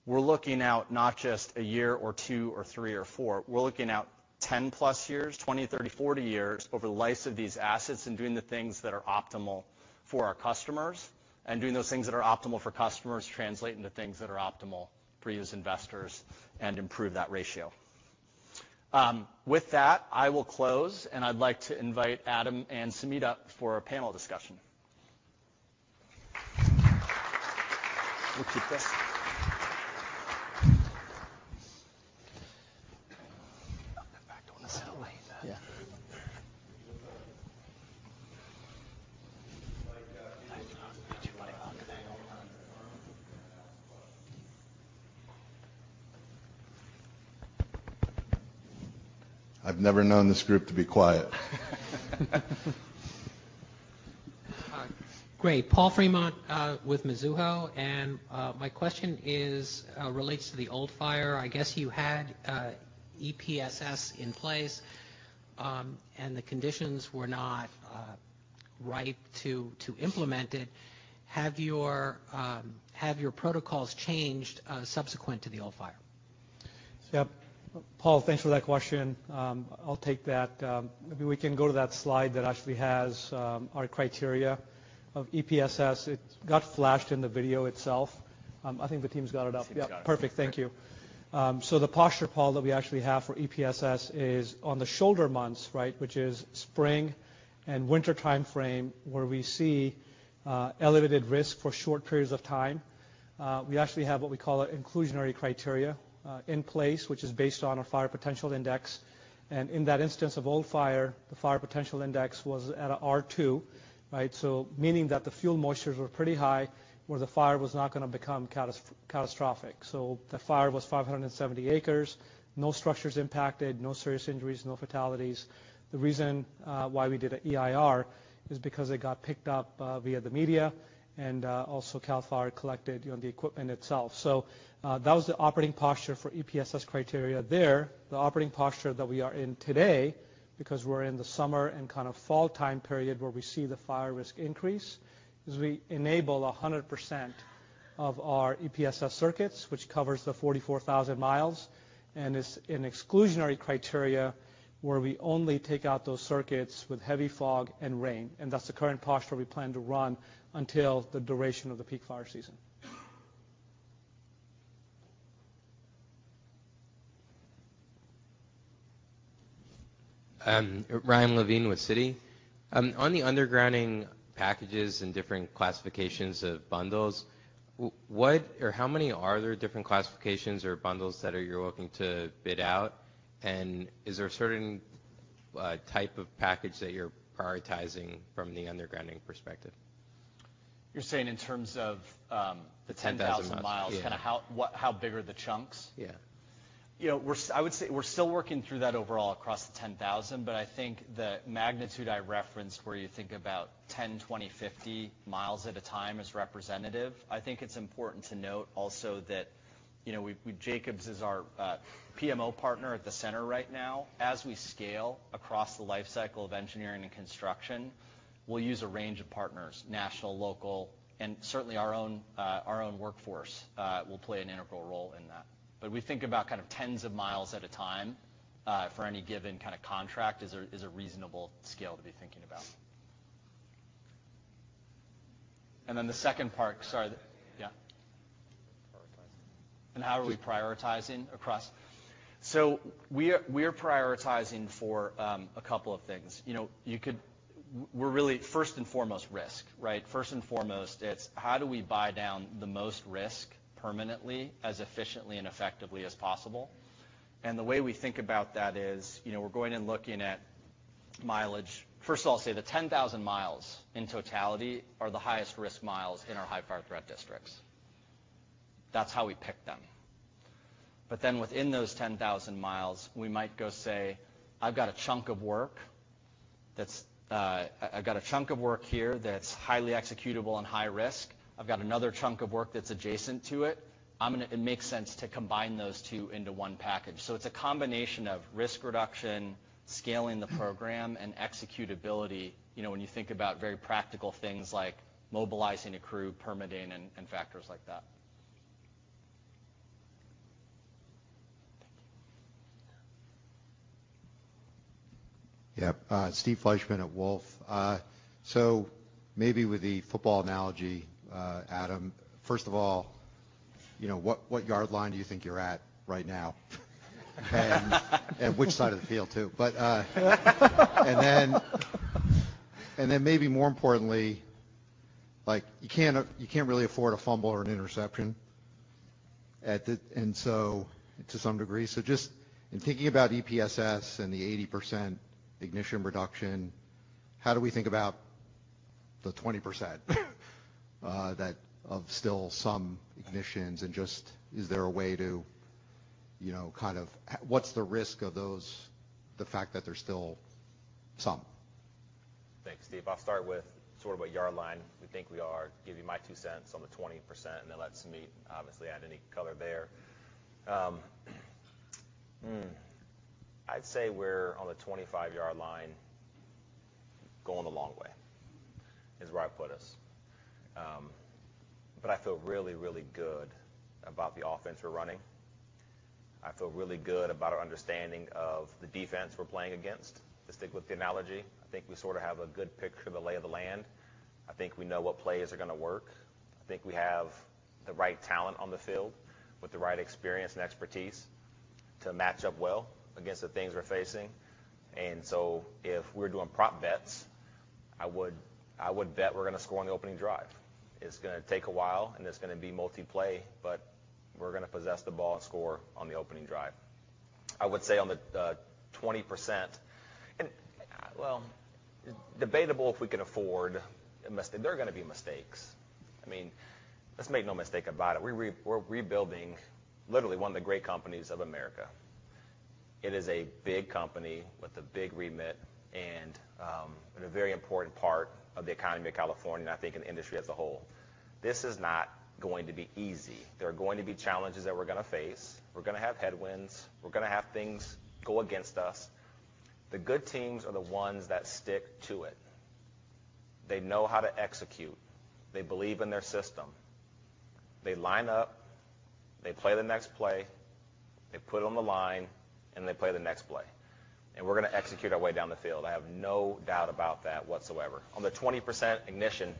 we're looking out not just a year or two or three or four, we're looking out 10+ years, 20, 30, 40 years over the life of these assets and doing the things that are optimal for our customers, and doing those things that are optimal for customers translate into things that are optimal for you as investors and improve that ratio. With that, I will close, and I'd like to invite Adam and Sumeet up for a panel discussion. Back towards the middle. Yeah. I've never known this group to be quiet. Hi Great. Paul Fremont with Mizuho. My question relates to the Old Fire. I guess you had EPSS in place, and the conditions were not ripe to implement it. Have your protocols changed subsequent to the Old Fire? Yep Paul, thanks for that question. I'll take that. Maybe we can go to that slide that actually has our criteria of EPSS. It got flashed in the video itself. I think the team's got it up. I think it's got it. Yep Perfect. Thank you. The posture, Paul, that we actually have for EPSS is on the shoulder months, right, which is spring and winter timeframe, where we see elevated risk for short periods of time. We actually have what we call an inclusionary criteria in place, which is based on a Fire Potential Index. In that instance of Old Fire, the Fire Potential Index was at an R2, right? Meaning that the fuel moistures were pretty high, where the fire was not gonna become catastrophic. The fire was 570 acres, no structures impacted, no serious injuries, no fatalities. The reason why we did an EIR is because it got picked up via the media and also CAL FIRE collected, you know, the equipment itself. That was the operating posture for EPSS criteria there. The operating posture that we are in today, because we're in the summer and kind of fall time period where we see the fire risk increase, is we enable 100% of our EPSS circuits, which covers the 44,000 mi, and it's an exclusionary criteria where we only take out those circuits with heavy fog and rain. That's the current posture we plan to run until the duration of the peak fire season. Ryan Levine with Citigroup. On the undergrounding packages and different classifications of bundles, what or how many are there different classifications or bundles that you're looking to bid out? And is there a certain type of package that you're prioritizing from the undergrounding perspective? You're saying in terms of. The 10,000 mi. 10,000 mi.. Yeah. How big are the chunks? Yeah. You know, I would say we're still working through that overall across the 10,000, but I think the magnitude I referenced where you think about 10 mi, 20 mi, 50 mi at a time is representative. I think it's important to note also that, you know, Jacobs is our PMO partner at the center right now. As we scale across the life cycle of engineering and construction, we'll use a range of partners, national, local, and certainly our own workforce will play an integral role in that. But we think about kind of 10 mi at a time for any given kind of contract is a reasonable scale to be thinking about. Then the second part, sorry. Prioritizing. Yeah. Prioritizing. How are we prioritizing across? We're prioritizing for a couple of things. You know, we're really first and foremost risk, right? First and foremost, it's how do we buy down the most risk permanently as efficiently and effectively as possible? The way we think about that is, you know, we're going and looking at mileage. First of all, say the 10,000 mi in totality are the highest risk miles in our high fire threat districts. That's how we pick them. Then within those 10,000 mi, we might go say, "I've got a chunk of work here that's highly executable and high risk. I've got another chunk of work that's adjacent to it. It makes sense to combine those two into one package." It's a combination of risk reduction, scaling the program, and executability, you know, when you think about very practical things like mobilizing a crew, permitting and factors like that. Thank you. Yeah. Steve Fleishman at Wolfe. So maybe with the football analogy, Adam, first of all, you know, what yard line do you think you're at right now? Which side of the field too? Then maybe more importantly, like, you can't really afford a fumble or an interception at the. To some degree. Just in thinking about EPSS and the 80% ignition reduction, how do we think about the 20% that of still some ignitions and just is there a way to, you know, kind of. What's the risk of those, the fact that there's still some? Thanks, Steve. I'll start with sort of what yard line we think we are, give you my two cents on the 20%, and then let Sumeet obviously add any color there. I'd say we're on the 25-yard line, going a long way is where I'd put us. I feel really, really good about the offense we're running. I feel really good about our understanding of the defense we're playing against, to stick with the analogy. I think we sort of have a good picture of the lay of the land. I think we know what plays are gonna work. I think we have the right talent on the field with the right experience and expertise to match up well against the things we're facing. If we're doing prop bets, I would bet we're gonna score on the opening drive. It's gonna take a while, and it's gonna be multi-play, but we're gonna possess the ball and score on the opening drive. I would say on the 20%. Well, debatable if we can afford a mistake. There are gonna be mistakes. I mean, let's make no mistake about it. We're rebuilding literally one of the great companies of America. It is a big company with a big remit and a very important part of the economy of California, and I think in the industry as a whole. This is not going to be easy. There are going to be challenges that we're gonna face. We're gonna have headwinds. We're gonna have things go against us. The good teams are the ones that stick to it. They know how to execute. They believe in their system. They line up, they play the next play, they put it on the line, and they play the next play, and we're gonna execute our way down the field. I have no doubt about that whatsoever. On the 20% ignition,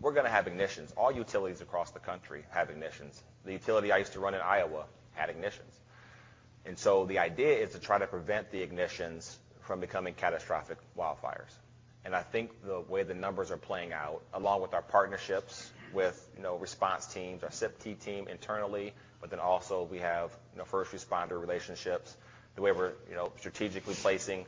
we're gonna have ignitions. All utilities across the country have ignitions. The utility I used to run in Iowa had ignitions. The idea is to try to prevent the ignitions from becoming catastrophic wildfires. I think the way the numbers are playing out, along with our partnerships with, you know, response teams, our CPT team internally, but then also we have, you know, first responder relationships. The way we're, you know, strategically placing,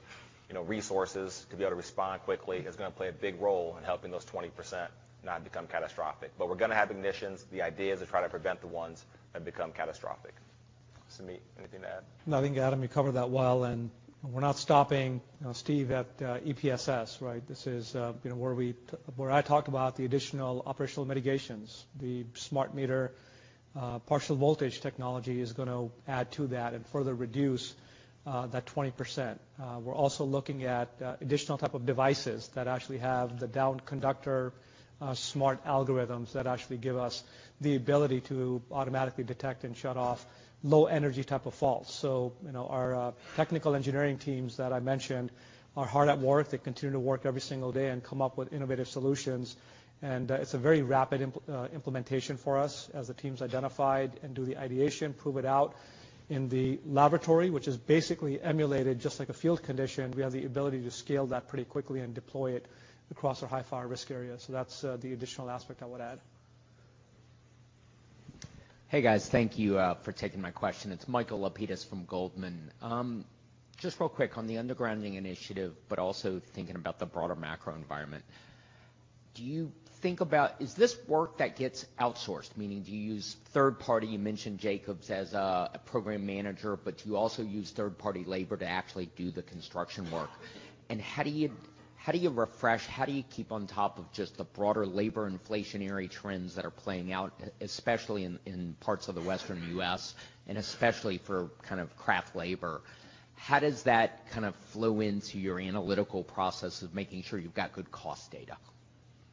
you know, resources to be able to respond quickly is gonna play a big role in helping those 20% not become catastrophic. We're gonna have ignitions. The idea is to try to prevent the ones that become catastrophic. Sumeet, anything to add? No I think Adam, you covered that well, and we're not stopping, you know, Steve, at EPSS, right? This is, you know, where I talk about the additional operational mitigations. The smart meter partial voltage technology is gonna add to that and further reduce that 20%. We're also looking at additional type of devices that actually have the down conductor smart algorithms that actually give us the ability to automatically detect and shut off low energy type of faults. So, you know, our technical engineering teams that I mentioned are hard at work. They continue to work every single day and come up with innovative solutions, and it's a very rapid implementation for us as the teams identify and do the ideation, prove it out in the laboratory, which is basically emulated just like a field condition. We have the ability to scale that pretty quickly and deploy it across our high fire risk area. That's the additional aspect I would add. Hey guys Thank you for taking my question. It's Michael Lapides from Goldman Sachs. Just real quick on the undergrounding initiative, but also thinking about the broader macro environment. Is this work that gets outsourced? Meaning, do you use third party? You mentioned Jacobs as a program manager, but do you also use third party labor to actually do the construction work? And how do you refresh, how do you keep on top of just the broader labor inflationary trends that are playing out, especially in parts of the Western U.S. and especially for kind of craft labor? How does that kind of flow into your analytical process of making sure you've got good cost data?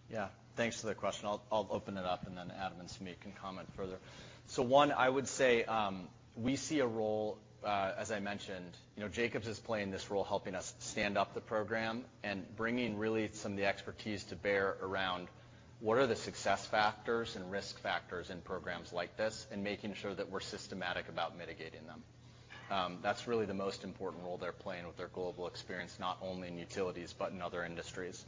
Yeah. Thanks for the question. I'll open it up, and then Adam and Sumeet can comment further. One, I would say, we see a role, as I mentioned, you know, Jacobs is playing this role helping us stand up the program and bringing really some of the expertise to bear around what are the success factors and risk factors in programs like this and making sure that we're systematic about mitigating them. That's really the most important role they're playing with their global experience, not only in utilities, but in other industries.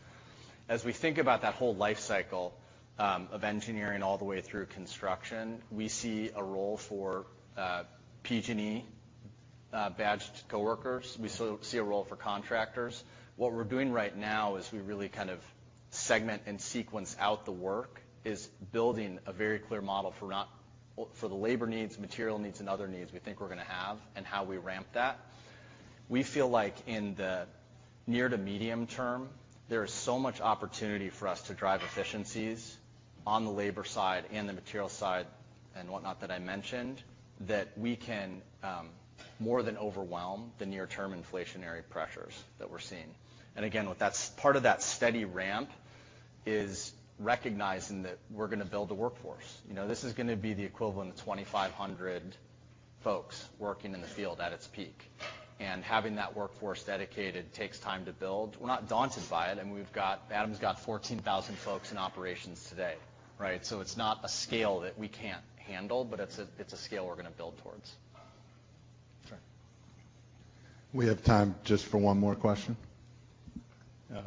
As we think about that whole life cycle, of engineering all the way through construction, we see a role for PG&E. Badged coworkers. We still see a role for contractors. What we're doing right now is we really kind of segment and sequence out the work, building a very clear model for the labor needs, material needs, and other needs we think we're gonna have and how we ramp that. We feel like in the near to medium term, there is so much opportunity for us to drive efficiencies on the labor side and the material side and whatnot that I mentioned, that we can more than overwhelm the near-term inflationary pressures that we're seeing. Again, with that part of that steady ramp is recognizing that we're gonna build a workforce. You know, this is gonna be the equivalent of 2,500 folks working in the field at its peak. Having that workforce dedicated takes time to build. We're not daunted by it, and we've got Adam's got 14,000 folks in operations today, right? It's not a scale that we can't handle, but it's a scale we're gonna build towards. Sure. We have time just for one more question.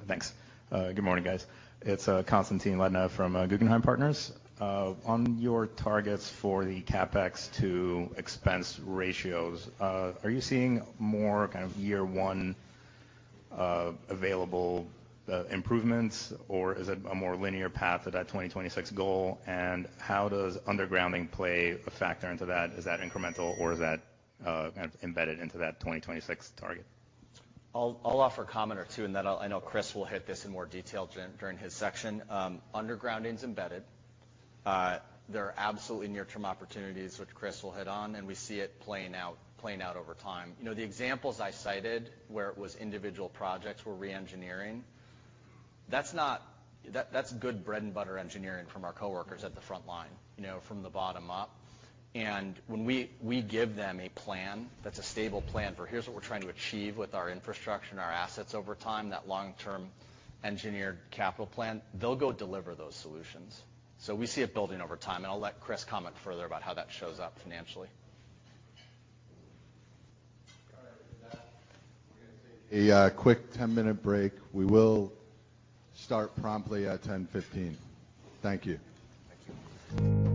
Thanks. Good morning, guys. It's Constantin Lednev from Guggenheim Partners. On your targets for the CapEx to expense ratios, are you seeing more kind of year one available improvements, or is it a more linear path to that 2026 goal? How does undergrounding play a factor into that? Is that incremental or is that kind of embedded into that 2026 target? I'll offer a comment or two, and then I know Chris will hit this in more detail during his section. Undergrounding's embedded. There are absolutely near-term opportunities which Chris will hit on, and we see it playing out over time. You know, the examples I cited where it was individual projects we're re-engineering, that's good bread-and-butter engineering from our coworkers at the front line, you know, from the bottom up. When we give them a plan that's a stable plan for here's what we're trying to achieve with our infrastructure and our assets over time, that long-term engineered capital plan, they'll go deliver those solutions. We see it building over time, and I'll let Chris comment further about how that shows up financially. All right. With that, we're gonna take a quick 10-minute break. We will start promptly at 10:15 A.M. Thank you. Thank you.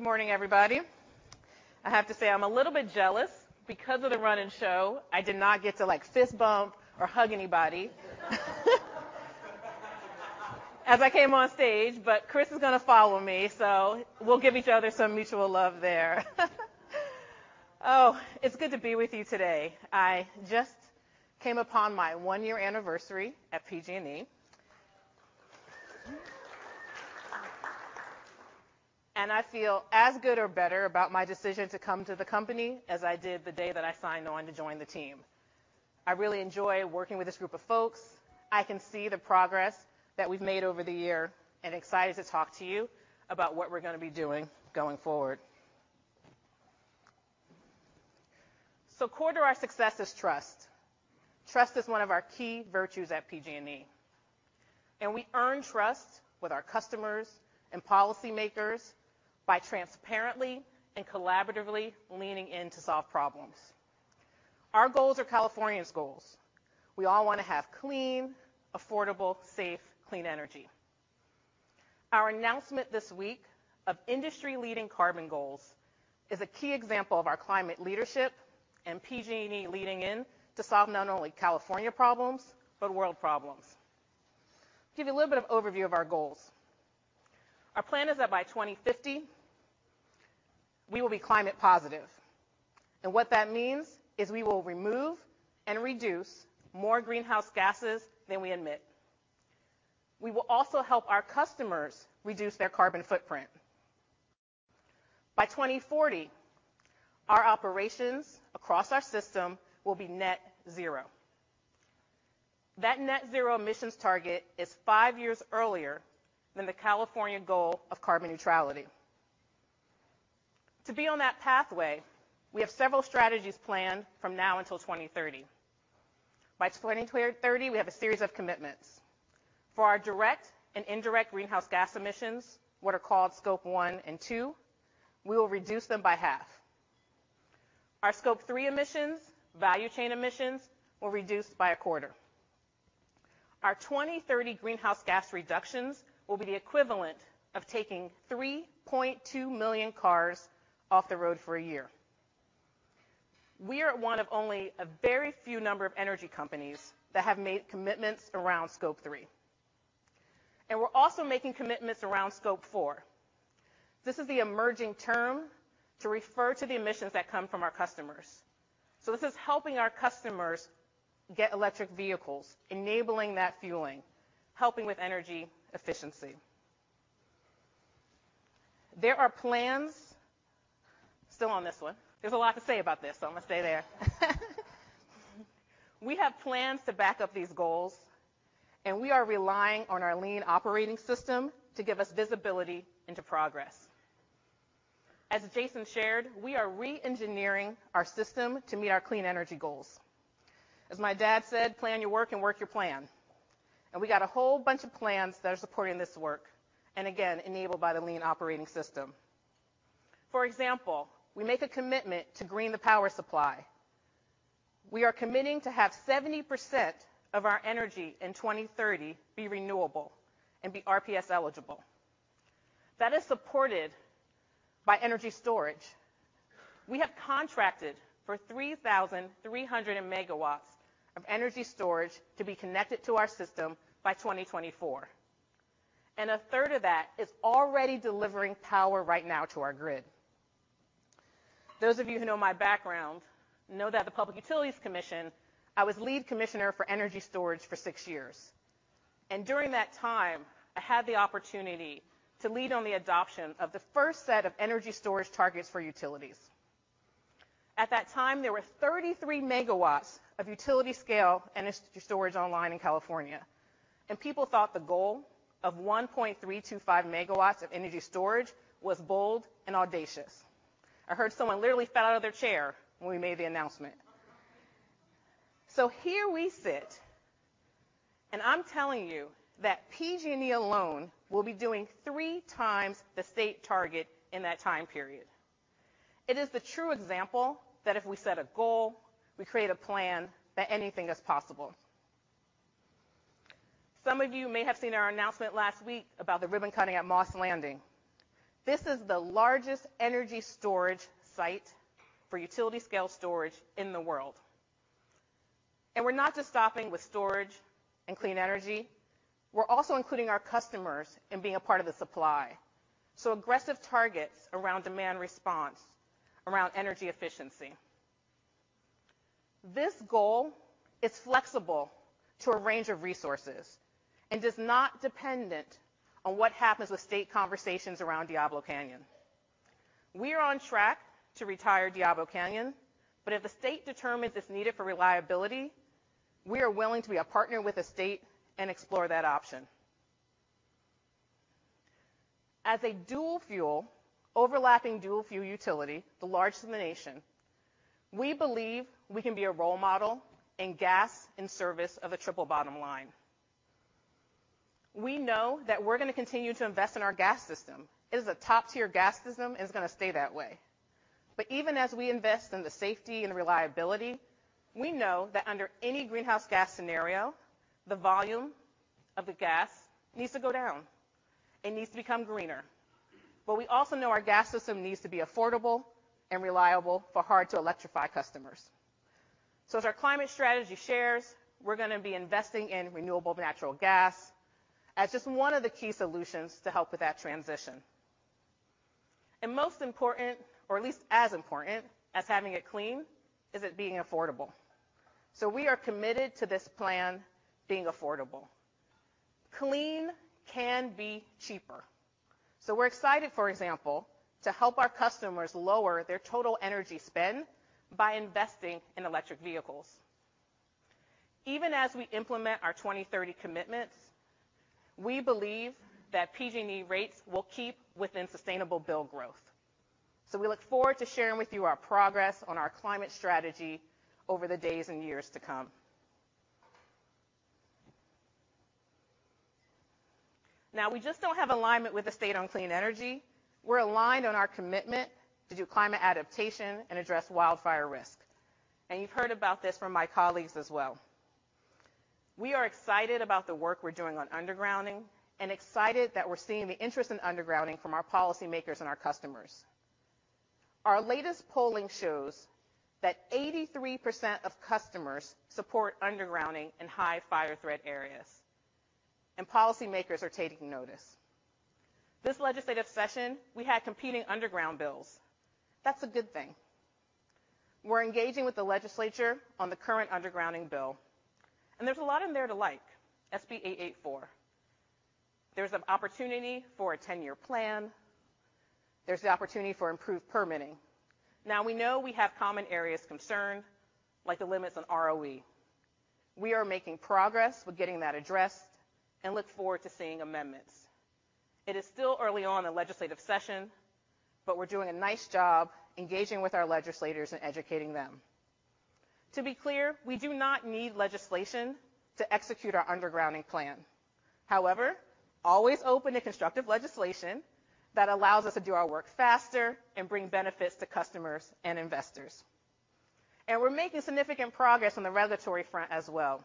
Good morning, everybody. I have to say I'm a little bit jealous because of the run and show. I did not get to like fist bump or hug anybody as I came on stage, but Chris is gonna follow me, so we'll give each other some mutual love there. Oh, it's good to be with you today. I just came upon my one-year anniversary at PG&E. I feel as good or better about my decision to come to the company as I did the day that I signed on to join the team. I really enjoy working with this group of folks. I can see the progress that we've made over the year, and excited to talk to you about what we're gonna be doing going forward. Core to our success is trust. Trust is one of our key virtues at PG&E, and we earn trust with our customers and policymakers by transparently and collaboratively leaning in to solve problems. Our goals are California's goals. We all wanna have clean, affordable, safe, clean energy. Our announcement this week of industry-leading carbon goals is a key example of our climate leadership and PG&E leading in to solve not only California problems, but world problems. Give you a little bit of overview of our goals. Our plan is that by 2050, we will be climate positive. What that means is we will remove and reduce more greenhouse gases than we emit. We will also help our customers reduce their carbon footprint. By 2040, our operations across our system will be net zero. That net zero emissions target is five years earlier than the California goal of carbon neutrality. To be on that pathway, we have several strategies planned from now until 2030. By 2030, we have a series of commitments. For our direct and indirect greenhouse gas emissions, what are called Scope 1 and 2, we will reduce them by half. Our Scope 3 emissions, value chain emissions, will reduce by a quarter. Our 2030 greenhouse gas reductions will be the equivalent of taking 3.2 million cars off the road for a year. We are one of only a very few number of energy companies that have made commitments around Scope 3. We're also making commitments around Scope 4. This is the emerging term to refer to the emissions that come from our customers. This is helping our customers get electric vehicles, enabling that fueling, helping with energy efficiency. There are plans. There's a lot to say about this, so I'm gonna stay there. We have plans to back up these goals, and we are relying on our lean operating system to give us visibility into progress. As Jason shared, we are re-engineering our system to meet our clean energy goals. As my dad said, "Plan your work and work your plan." We got a whole bunch of plans that are supporting this work, and again, enabled by the lean operating system. For example, we make a commitment to green the power supply. We are committing to have 70% of our energy in 2030 be renewable and be RPS eligible. That is supported by energy storage. We have contracted for 3,300 MW of energy storage to be connected to our system by 2024, and a third of that is already delivering power right now to our grid. Those of you who know my background know that at the Public Utilities Commission, I was lead commissioner for energy storage for six years. During that time, I had the opportunity to lead on the adoption of the first set of energy storage targets for utilities. At that time, there were 33 MW of utility scale energy storage online in California, and people thought the goal of 1.325 MW of energy storage was bold and audacious. I heard someone literally fell out of their chair when we made the announcement. Here we sit, and I'm telling you that PG&E alone will be doing 3x the state target in that time period. It is the true example that if we set a goal, we create a plan that anything is possible. Some of you may have seen our announcement last week about the ribbon cutting at Moss Landing. This is the largest energy storage site for utility scale storage in the world. We're not just stopping with storage and clean energy, we're also including our customers in being a part of the supply. Aggressive targets around demand response, around energy efficiency. This goal is flexible to a range of resources and is not dependent on what happens with state conversations around Diablo Canyon. We are on track to retire Diablo Canyon, but if the state determines it's needed for reliability, we are willing to be a partner with the state and explore that option. As a dual-fuel utility, the largest in the nation, we believe we can be a role model in gas in service of a triple bottom line. We know that we're gonna continue to invest in our gas system. It is a top-tier gas system, and it's gonna stay that way. Even as we invest in the safety and reliability, we know that under any greenhouse gas scenario, the volume of the gas needs to go down. It needs to become greener. We also know our gas system needs to be affordable and reliable for hard-to-electrify customers. As our climate strategy shares, we're gonna be investing in renewable natural gas as just one of the key solutions to help with that transition. Most important, or at least as important as having it clean, is it being affordable. We are committed to this plan being affordable. Clean can be cheaper. We're excited, for example, to help our customers lower their total energy spend by investing in electric vehicles. Even as we implement our 2030 commitments, we believe that PG&E rates will keep within sustainable bill growth. We look forward to sharing with you our progress on our climate strategy over the days and years to come. Now, we just don't have alignment with the state on clean energy. We're aligned on our commitment to do climate adaptation and address wildfire risk, and you've heard about this from my colleagues as well. We are excited about the work we're doing on undergrounding and excited that we're seeing the interest in undergrounding from our policymakers and our customers. Our latest polling shows that 83% of customers support undergrounding in high fire threat areas, and policymakers are taking notice. This legislative session, we had competing underground bills. That's a good thing. We're engaging with the legislature on the current undergrounding bill, and there's a lot in there to like, SB 884. There's an opportunity for a 10-year plan. There's the opportunity for improved permitting. Now we know we have common areas of concern, like the limits on ROE. We are making progress with getting that addressed and look forward to seeing amendments. It is still early on in the legislative session, but we're doing a nice job engaging with our legislators and educating them. To be clear, we do not need legislation to execute our undergrounding plan. However, always open to constructive legislation that allows us to do our work faster and bring benefits to customers and investors. We're making significant progress on the regulatory front as well.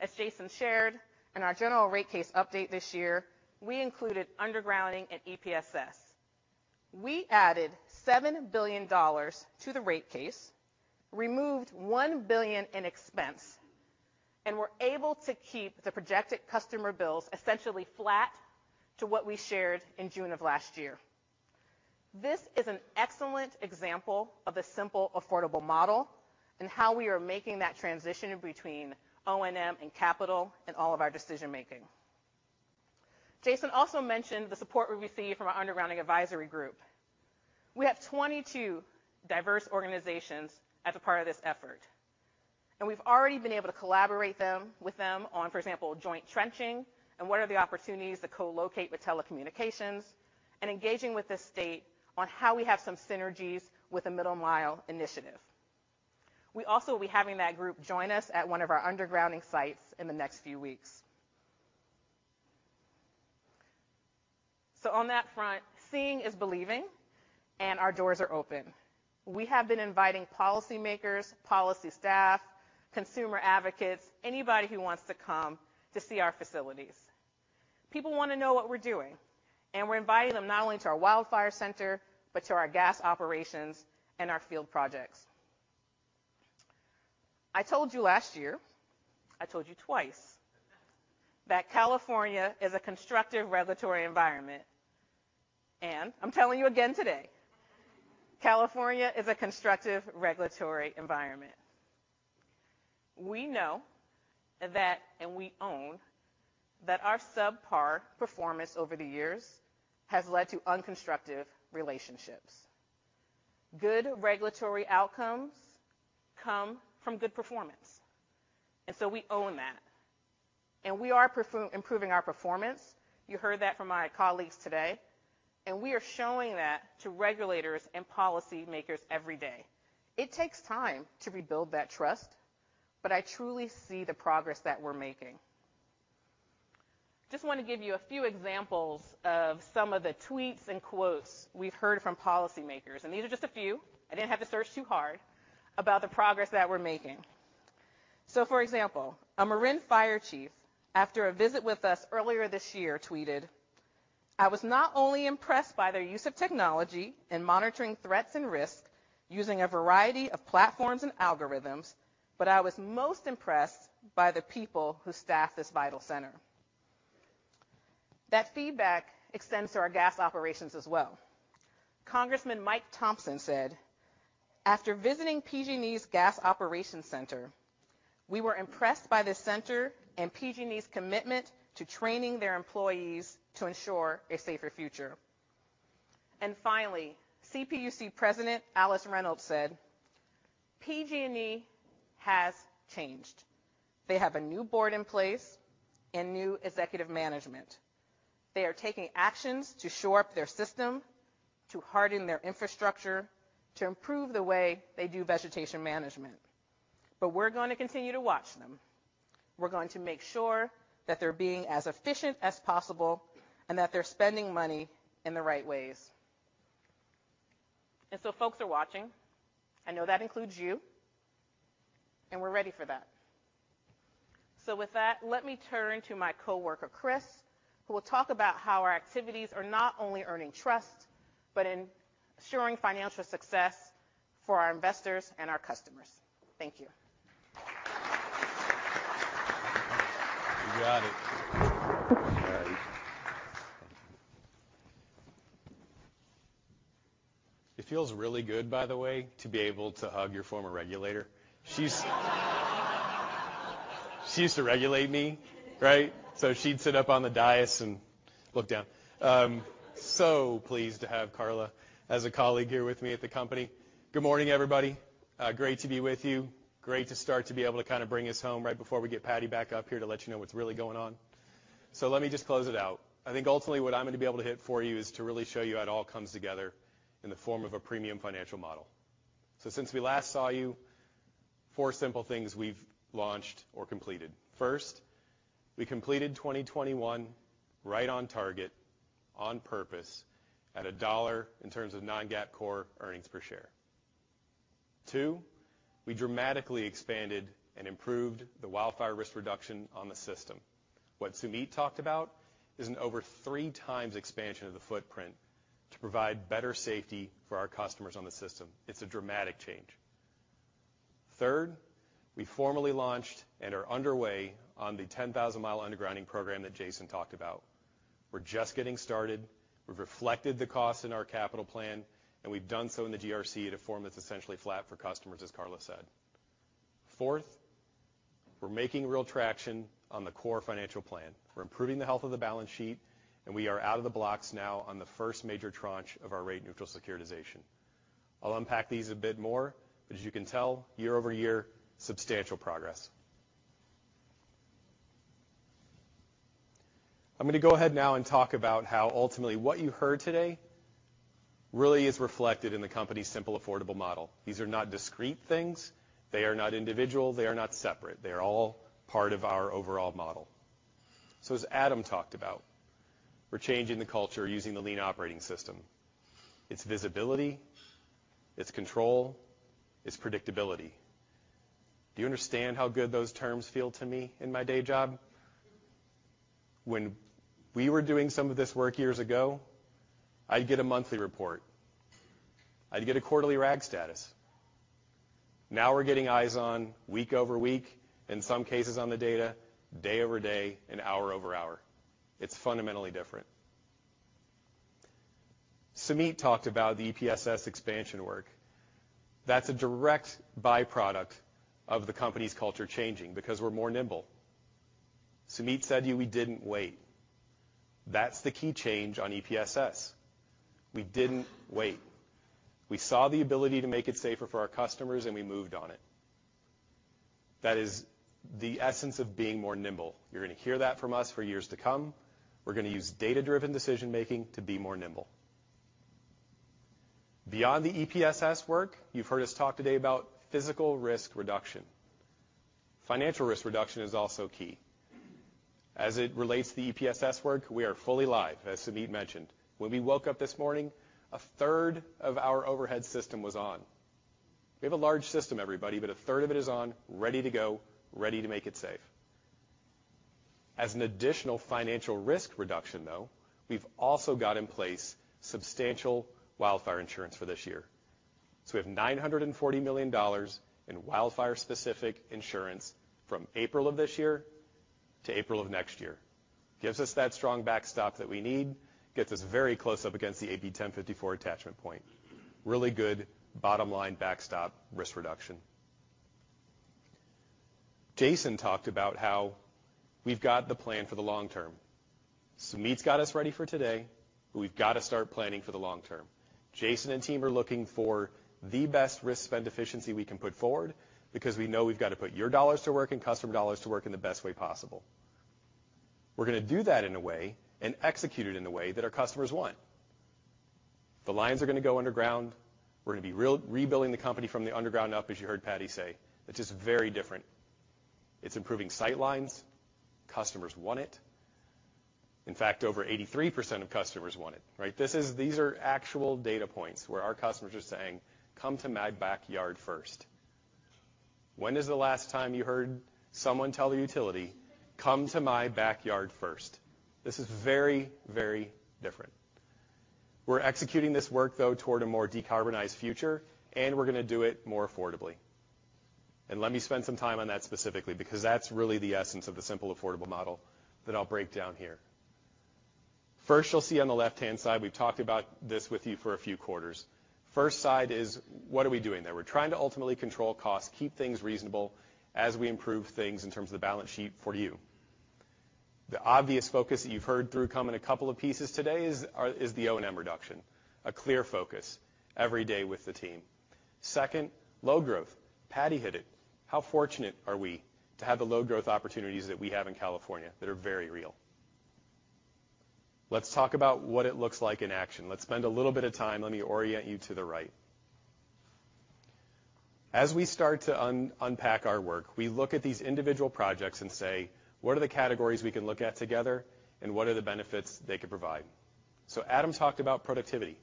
As Jason shared in our general rate case update this year, we included undergrounding and EPSS. We added $7 billion to the rate case, removed $1 billion in expense, and we're able to keep the projected customer bills essentially flat to what we shared in June of last year. This is an excellent example of a simple, affordable model and how we are making that transition between O&M and capital in all of our decision-making. Jason also mentioned the support we receive from our undergrounding advisory group. We have 22 diverse organizations as a part of this effort, and we've already been able to collaborate with them on, for example, joint trenching and what are the opportunities to co-locate with telecommunications and engaging with the state on how we have some synergies with the Middle-Mile initiative. We also will be having that group join us at one of our undergrounding sites in the next few weeks. On that front, seeing is believing, and our doors are open. We have been inviting policymakers, policy staff, consumer advocates, anybody who wants to come to see our facilities. People wanna know what we're doing, and we're inviting them not only to our wildfire center but to our gas operations and our field projects. I told you last year, I told you twice, that California is a constructive regulatory environment, and I'm telling you again today, California is a constructive regulatory environment. We know that, and we own that our subpar performance over the years has led to unconstructive relationships. Good regulatory outcomes come from good performance, and so we own that, and we are improving our performance. You heard that from my colleagues today, and we are showing that to regulators and policymakers every day. It takes time to rebuild that trust, but I truly see the progress that we're making. Just want to give you a few examples of some of the tweets and quotes we've heard from policymakers, and these are just a few, I didn't have to search too hard, about the progress that we're making. For example, a Marin fire chief, after a visit with us earlier this year, tweeted, "I was not only impressed by their use of technology in monitoring threats and risks using a variety of platforms and algorithms, but I was most impressed by the people who staff this vital center." That feedback extends to our gas operations as well. Congressman Mike Thompson said, "After visiting PG&E's gas operations center, we were impressed by the center and PG&E's commitment to training their employees to ensure a safer future." Finally, CPUC President Alice Reynolds said, "PG&E has changed. They have a new board in place and new executive management. They are taking actions to shore up their system, to harden their infrastructure, to improve the way they do vegetation management. But we're going to continue to watch them. We're going to make sure that they're being as efficient as possible and that they're spending money in the right ways." Folks are watching. I know that includes you, and we're ready for that. With that, let me turn to my coworker, Chris, who will talk about how our activities are not only earning trust, but in ensuring financial success for our investors and our customers. Thank you. You got it. It feels really good by the way, to be able to hug your former regulator. She used to regulate me, right? She'd sit up on the dais and look down. Pleased to have Carla as a colleague here with me at the company. Good morning, everybody. Great to be with you. Great to start to be able to kinda bring us home right before we get Patti back up here to let you know what's really going on. Let me just close it out. I think ultimately what I'm gonna be able to hit for you is to really show you how it all comes together in the form of a premium financial model. Since we last saw you, four simple things we've launched or completed. First, we completed 2021 right on target, on purpose, at a dollar in terms of non-GAAP core earnings per share. Two, we dramatically expanded and improved the wildfire risk reduction on the system. What Sumeet talked about is an over 3x expansion of the footprint to provide better safety for our customers on the system. It's a dramatic change. Third, we formally launched and are underway on the 10,000 mi undergrounding program that Jason talked about. We're just getting started. We've reflected the cost in our capital plan, and we've done so in the GRC at a form that's essentially flat for customers, as Carla said. Fourth, we're making real traction on the core financial plan. We're improving the health of the balance sheet, and we are out of the blocks now on the first major tranche of our rate-neutral securitization. I'll unpack these a bit more, but as you can tell, year-over-year, substantial progress. I'm gonna go ahead now and talk about how ultimately what you heard today really is reflected in the company's simple, affordable model. These are not discrete things. They are not individual. They are not separate. They are all part of our overall model. As Adam talked about, we're changing the culture using the lean operating system. It's visibility, it's control, it's predictability. Do you understand how good those terms feel to me in my day job? When we were doing some of this work years ago, I'd get a monthly report. I'd get a quarterly rag status. Now we're getting eyes on week-over-week, in some cases on the data, day-over-day and hour-over-hour. It's fundamentally different. Sumeet talked about the EPSS expansion work. That's a direct byproduct of the company's culture changing because we're more nimble. Sumeet said we didn't wait. That's the key change on EPSS. We didn't wait. We saw the ability to make it safer for our customers, and we moved on it. That is the essence of being more nimble. You're gonna hear that from us for years to come. We're gonna use data-driven decision-making to be more nimble. Beyond the EPSS work, you've heard us talk today about physical risk reduction. Financial risk reduction is also key. As it relates to the EPSS work, we are fully live, as Sumeet mentioned. When we woke up this morning, a third of our overhead system was on. We have a large system, everybody, but a third of it is on, ready to go, ready to make it safe. As an additional financial risk reduction, though, we've also got in place substantial wildfire insurance for this year. We have $940 million in wildfire specific insurance from April of this year to April of next year. Gives us that strong backstop that we need, gets us very close up against the AB 1054 attachment point. Really good bottom line backstop risk reduction. Jason talked about how we've got the plan for the long term. Sumeet's got us ready for today, but we've got to start planning for the long term. Jason and team are looking for the best risk spend efficiency we can put forward because we know we've got to put your dollars to work and customer dollars to work in the best way possible. We're gonna do that in a way and execute it in a way that our customers want. The lines are gonna go underground. We're gonna be rebuilding the company from the underground up, as you heard Patti say, which is very different. It's improving sight lines. Customers want it. In fact, over 83% of customers want it, right? This is. These are actual data points where our customers are saying, "Come to my backyard first." When is the last time you heard someone tell a utility, "Come to my backyard first"? This is very, very different. We're executing this work, though, toward a more decarbonized future, and we're gonna do it more affordably. Let me spend some time on that specifically, because that's really the essence of the simple, affordable model that I'll break down here. First, you'll see on the left-hand side, we've talked about this with you for a few quarters. First side is what are we doing there? We're trying to ultimately control costs, keep things reasonable as we improve things in terms of the balance sheet for you. The obvious focus that you've heard it come up in a couple of places today is the O&M reduction. A clear focus every day with the team. Second, low growth. Patti hit it. How fortunate are we to have the low growth opportunities that we have in California that are very real? Let's talk about what it looks like in action. Let's spend a little bit of time. Let me orient you to the right. As we start to unpack our work, we look at these individual projects and say, "What are the categories we can look at together, and what are the benefits they could provide?" Adam talked about productivity.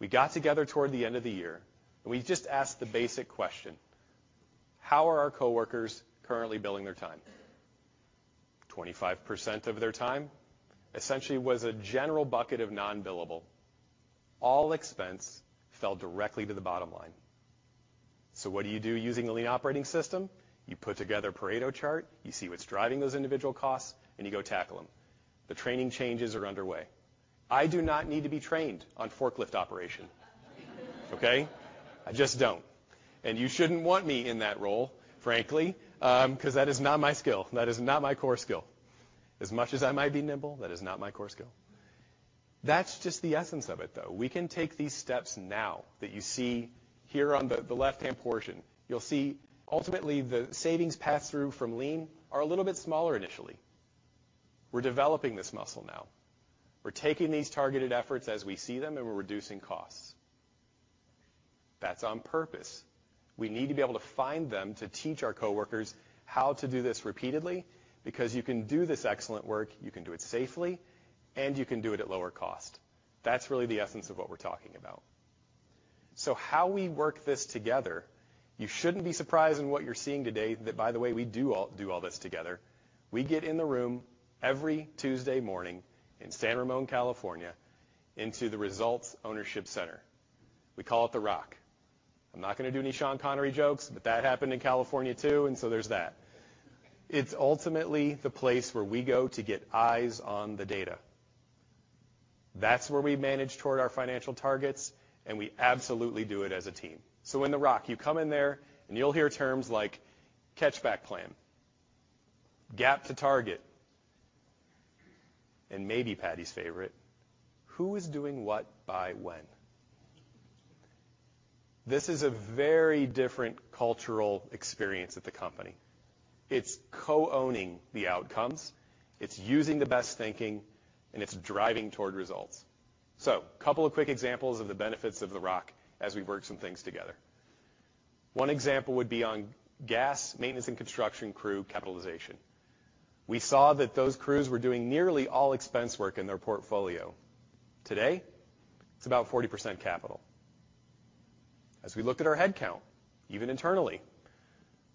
We got together toward the end of the year, and we just asked the basic question: How are our coworkers currently billing their time? 25% of their time essentially was a general bucket of non-billable. All expense fell directly to the bottom line. What do you do using a lean operating system? You put together a Pareto chart, you see what's driving those individual costs, and you go tackle them. The training changes are underway. I do not need to be trained on forklift operation. Okay? I just don't. You shouldn't want me in that role, frankly, 'cause that is not my skill. That is not my core skill. As much as I might be nimble, that is not my core skill. That's just the essence of it, though. We can take these steps now that you see here on the left-hand portion. You'll see ultimately, the savings pass-through from lean are a little bit smaller initially. We're developing this muscle now. We're taking these targeted efforts as we see them, and we're reducing costs. That's on purpose. We need to be able to find them to teach our coworkers how to do this repeatedly, because you can do this excellent work, you can do it safely, and you can do it at lower cost. That's really the essence of what we're talking about. How we work this together, you shouldn't be surprised in what you're seeing today that, by the way, we do all this together. We get in the room every Tuesday morning in San Ramon, California, into the Results Ownership Center. We call it The Rock. I'm not gonna do any Sean Connery jokes, but that happened in California, too, and so there's that. It's ultimately the place where we go to get eyes on the data. That's where we manage toward our financial targets, and we absolutely do it as a team. In The Rock, you come in there and you'll hear terms like catch-back plan, gap to target, and maybe Patti's favorite, who is doing what by when? This is a very different cultural experience at the company. It's co-owning the outcomes, it's using the best thinking, and it's driving toward results. Couple of quick examples of the benefits of The Rock as we work some things together. One example would be on gas maintenance and construction crew capitalization. We saw that those crews were doing nearly all expense work in their portfolio. Today, it's about 40% capital. As we looked at our headcount, even internally,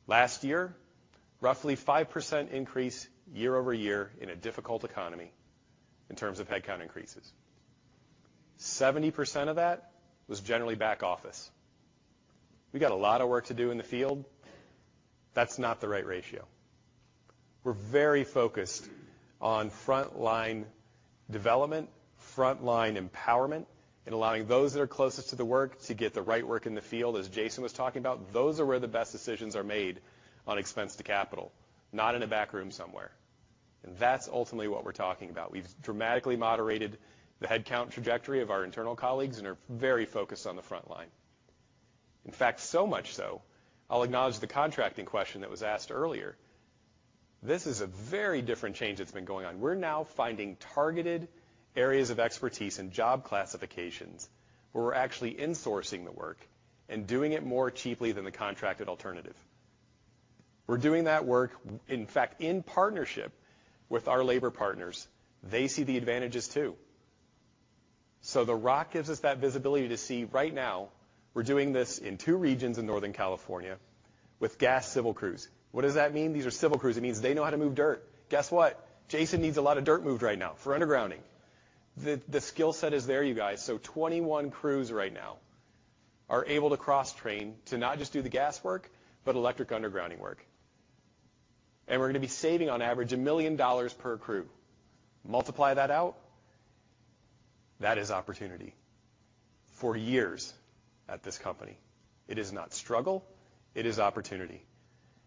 last year, roughly 5% increase year-over-year in a difficult economy in terms of headcount increases. 70% of that was generally back office. We got a lot of work to do in the field. That's not the right ratio. We're very focused on frontline development, frontline empowerment, and allowing those that are closest to the work to get the right work in the field, as Jason was talking about. Those are where the best decisions are made on expense to capital, not in a back room somewhere. That's ultimately what we're talking about. We've dramatically moderated the headcount trajectory of our internal colleagues and are very focused on the front line. In fact, so much so, I'll acknowledge the contracting question that was asked earlier. This is a very different change that's been going on. We're now finding targeted areas of expertise and job classifications where we're actually insourcing the work and doing it more cheaply than the contracted alternative. We're doing that work, in fact, in partnership with our labor partners. They see the advantages, too. The ROC gives us that visibility to see right now we're doing this in two regions in Northern California with gas civil crews. What does that mean? These are civil crews. It means they know how to move dirt. Guess what? Jason needs a lot of dirt moved right now for undergrounding. The skill set is there, you guys. 21 crews right now are able to cross-train to not just do the gas work, but electric undergrounding work. We're gonna be saving on average $1 million per crew. Multiply that out. That is opportunity for years at this company. It is not struggle, it is opportunity.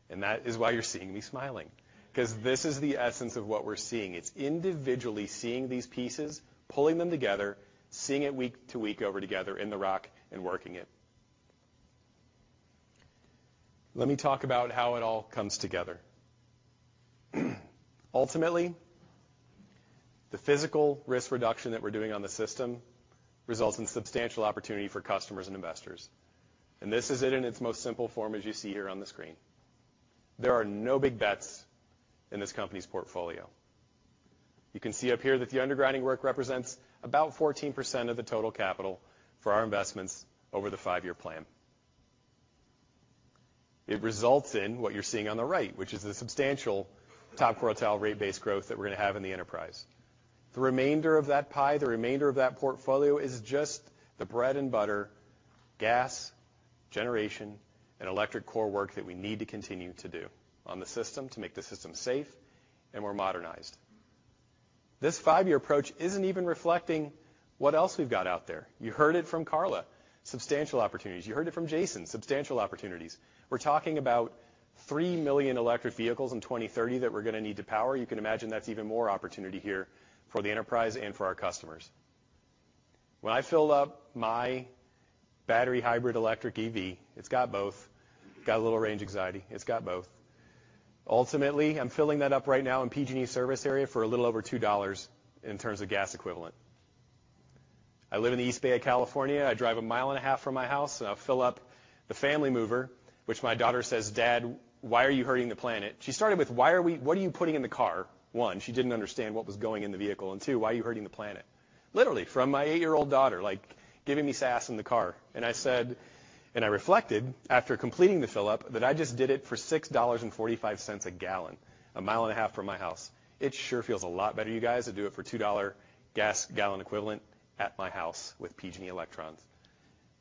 That is why you're seeing me smiling. 'Cause this is the essence of what we're seeing. It's in visually seeing these pieces, pulling them together, seeing it week to week putting it together in the ROC and working it. Let me talk about how it all comes together. Ultimately, the physical risk reduction that we're doing on the system results in substantial opportunity for customers and investors. This is it in its most simple form as you see here on the screen. There are no big bets in this company's portfolio. You can see up here that the undergrounding work represents about 14% of the total capital for our investments over the five-year plan. It results in what you're seeing on the right, which is a substantial top-quartile rate base growth that we're gonna have in the enterprise. The remainder of that pie, the remainder of that portfolio is just the bread and butter, gas, generation, and electric core work that we need to continue to do on the system to make the system safe and more modernized. This five year approach isn't even reflecting what else we've got out there. You heard it from Carla, substantial opportunities. You heard it from Jason, substantial opportunities. We're talking about 3 million electric vehicles in 2030 that we're gonna need to power. You can imagine that's even more opportunity here for the enterprise and for our customers. When I fill up my battery hybrid electric EV, it's got both. Got a little range anxiety. It's got both. Ultimately, I'm filling that up right now in PG&E service area for a little over $2 in terms of gas equivalent. I live in the East Bay of California. I drive 1.5 mi from my house, and I'll fill up the family mover, which my daughter says, "Dad, why are you hurting the planet?" She started with, "what are you putting in the car?" One, she didn't understand what was going in the vehicle, and two, why are you hurting the planet? Literally, from my 8-year-old daughter, like, giving me sass in the car. I said, and I reflected after completing the fill-up, that I just did it for $6.45 a gallon, 1.5 mi from my house. It sure feels a lot better, you guys, to do it for $2 gas gallon equivalent at my house with PG&E electrons.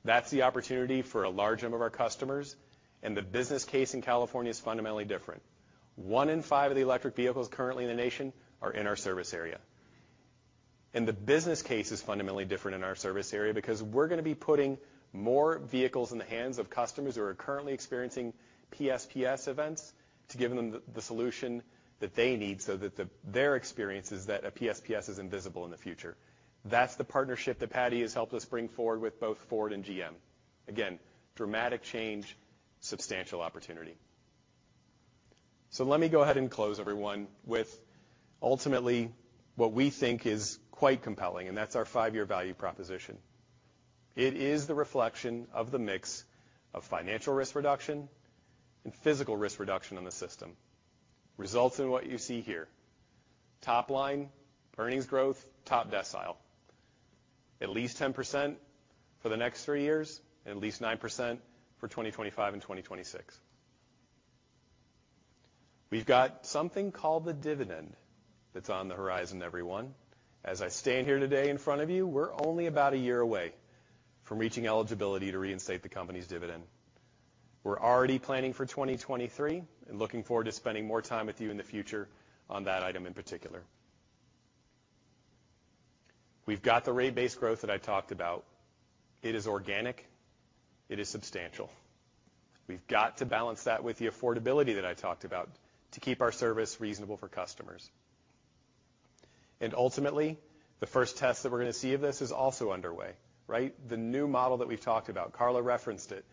That's the opportunity for a large number of our customers, and the business case in California is fundamentally different. One in five of the electric vehicles currently in the nation are in our service area. The business case is fundamentally different in our service area because we're gonna be putting more vehicles in the hands of customers who are currently experiencing PSPS events to give them the solution that they need so that their experience is that a PSPS is invisible in the future. That's the partnership that Patti has helped us bring forward with both Ford and GM. Again, dramatic change, substantial opportunity. Let me go ahead and close, everyone, with ultimately what we think is quite compelling, and that's our five-year value proposition. It is the reflection of the mix of financial risk reduction and physical risk reduction on the system. Results in what you see here. Top line, earnings growth, top decile. At least 10% for the next three years, and at least 9% for 2025 and 2026. We've got something called the dividend that's on the horizon, everyone. As I stand here today in front of you, we're only about a year away from reaching eligibility to reinstate the company's dividend. We're already planning for 2023 and looking forward to spending more time with you in the future on that item in particular. We've got the rate base growth that I talked about. It is organic. It is substantial. We've got to balance that with the affordability that I talked about to keep our service reasonable for customers. Ultimately, the first test that we're gonna see of this is also underway, right? The new model that we've talked about, Carla referenced it.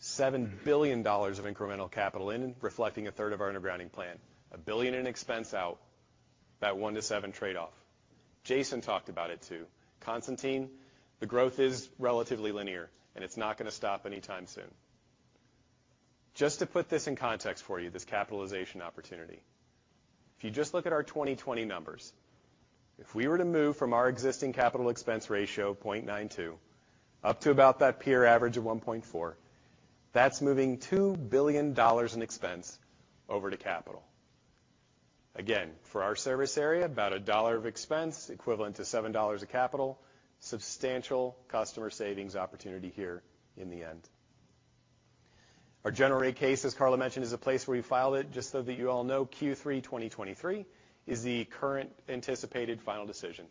$7 billion of incremental capital in, reflecting a third of our undergrounding plan. $1 billion in expense out, that one to seven trade-off. Jason talked about it, too. Constantine, the growth is relatively linear, and it's not gonna stop anytime soon. Just to put this in context for you, this capitalization opportunity. If you just look at our 2020 numbers, if we were to move from our existing capital expense ratio of 0.92 up to about that peer average of 1.4, that's moving $2 billion in expense over to capital. Again, for our service area, about $1 of expense equivalent to $7 of capital. Substantial customer savings opportunity here in the end. Our general rate case, as Carla mentioned, is a place where we filed it. Just so that you all know, Q3 2023 is the current anticipated final decision.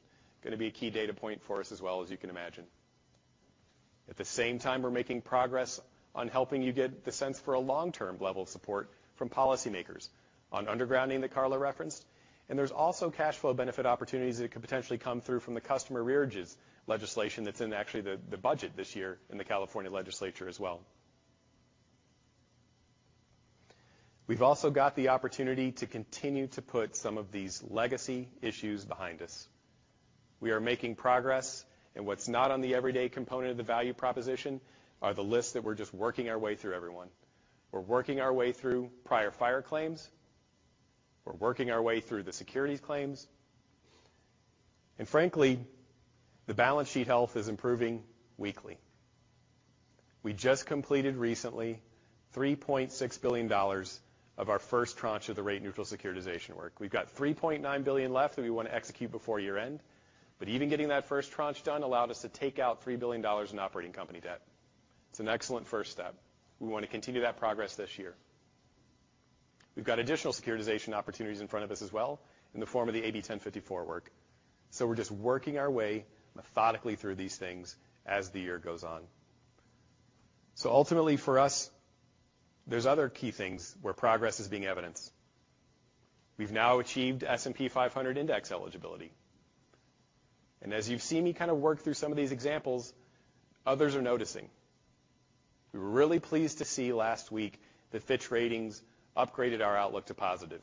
Gonna be a key data point for us as well, as you can imagine. At the same time, we're making progress on helping you get the sense for a long-term level of support from policymakers on undergrounding that Carla referenced. There's also cash flow benefit opportunities that could potentially come through from the customer arrearages legislation that's in actually the budget this year in the California legislature as well. We've also got the opportunity to continue to put some of these legacy issues behind us. We are making progress, and what's not on the everyday component of the value proposition are the lists that we're just working our way through, everyone. We're working our way through prior fire claims. We're working our way through the securities claims. Frankly, the balance sheet health is improving weekly. We just completed recently $3.6 billion of our first tranche of the rate-neutral securitization work. We've got $3.9 billion left that we want to execute before year-end. Even getting that first tranche done allowed us to take out $3 billion in operating company debt. It's an excellent first step. We want to continue that progress this year. We've got additional securitization opportunities in front of us as well in the form of the AB 1054 work. We're just working our way methodically through these things as the year goes on. Ultimately for us, there's other key things where progress is being evidenced. We've now achieved S&P 500 index eligibility. As you've seen me kind of work through some of these examples, others are noticing. We were really pleased to see last week that Fitch Ratings upgraded our outlook to positive.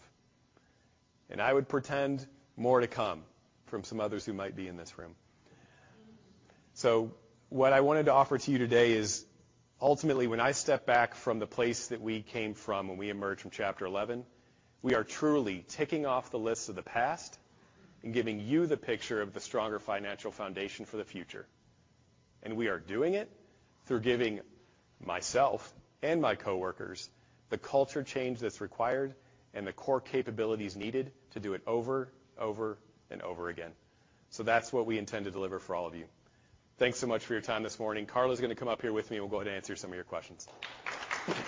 I would expect more to come from some others who might be in this room. What I wanted to offer to you today is, ultimately, when I step back from the place that we came from when we emerged from Chapter 11, we are truly ticking off the lists of the past and giving you the picture of the stronger financial foundation for the future. We are doing it through giving myself and my coworkers the culture change that's required and the core capabilities needed to do it over, and over again. That's what we intend to deliver for all of you. Thanks so much for your time this morning. Carla is gonna come up here with me, and we'll go ahead and answer some of your questions. We're just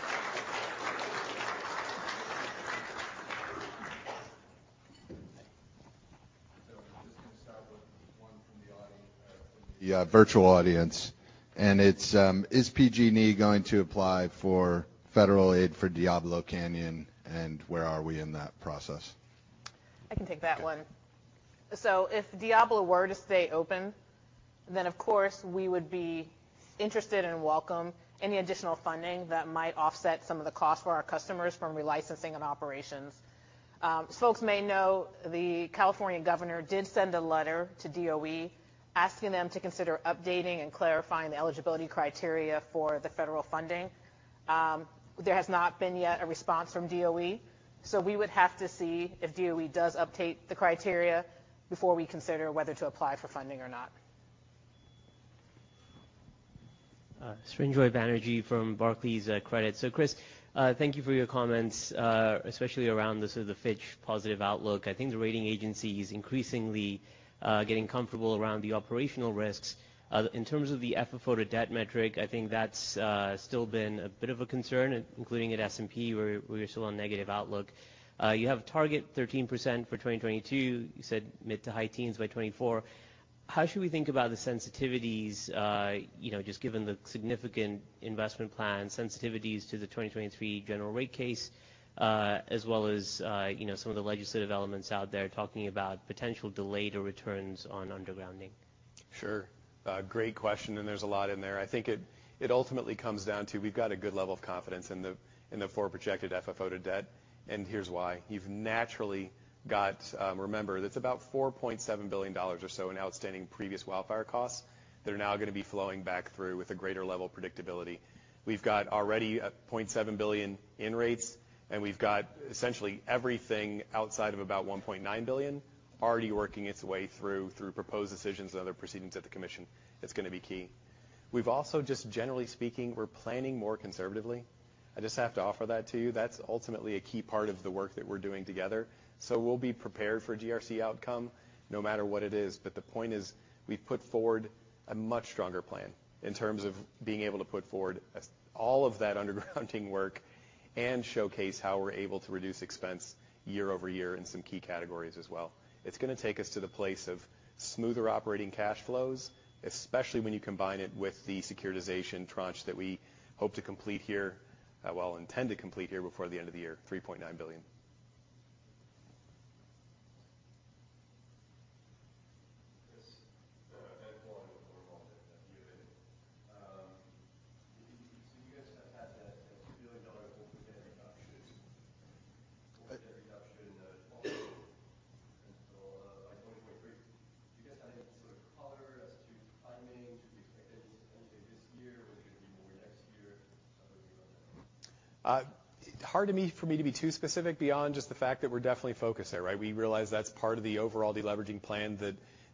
gonna start with one from the audience, from the virtual audience. Is PG&E going to apply for federal aid for Diablo Canyon, and where are we in that process? I can take that one. If Diablo were to stay open, then of course we would be interested and welcome any additional funding that might offset some of the costs for our customers from relicensing and operations. As folks may know, the California governor did send a letter to DOE asking them to consider updating and clarifying the eligibility criteria for the federal funding. There has not been yet a response from DOE, so we would have to see if DOE does update the criteria before we consider whether to apply for funding or not. Srinjoy Banerjee from Barclays, Credit. Chris, thank you for your comments, especially around sort of the Fitch positive outlook. I think the rating agency is increasingly getting comfortable around the operational risks. In terms of the FFO to debt metric, I think that's still been a bit of a concern, including at S&P, where we are still on negative outlook. You have target 13% for 2022. You said mid- to high-teens by 2024. How should we think about the sensitivities, you know, just given the significant investment plan sensitivities to the 2023 general rate case, as well as, you know, some of the legislative elements out there talking about potential delayed returns on undergrounding? Sure. Great question, and there's a lot in there. I think it ultimately comes down to we've got a good level of confidence in the forward projected FFO to debt, and here's why. You've naturally got, remember, it's about $4.7 billion or so in outstanding previous wildfire costs that are now gonna be flowing back through with a greater level of predictability. We've got already $0.7 billion in rates, and we've got essentially everything outside of about $1.9 billion already working its way through proposed decisions and other proceedings at the commission. That's gonna be key. We've also, just generally speaking, we're planning more conservatively. I just have to offer that to you. That's ultimately a key part of the work that we're doing together. We'll be prepared for GRC outcome no matter what it is, but the point is we've put forward a much stronger plan in terms of being able to put forward all of that undergrounding work and showcase how we're able to reduce expense year-over-year in some key categories as well. It's gonna take us to the place of smoother operating cash flows, especially when you combine it with the securitization tranche that we hope to complete here, intend to complete here before the end of the year, $3.9 billion. This is Stephen Byrd with Morgan Stanley. You guys have had that $2 billion holdco debt reduction target until by 2023. Do you guys have any sort of color as to timing to be expected this year or is it gonna be more next year? Hard for me to be too specific beyond just the fact that we're definitely focused there, right? We realize that's part of the overall de-leveraging plan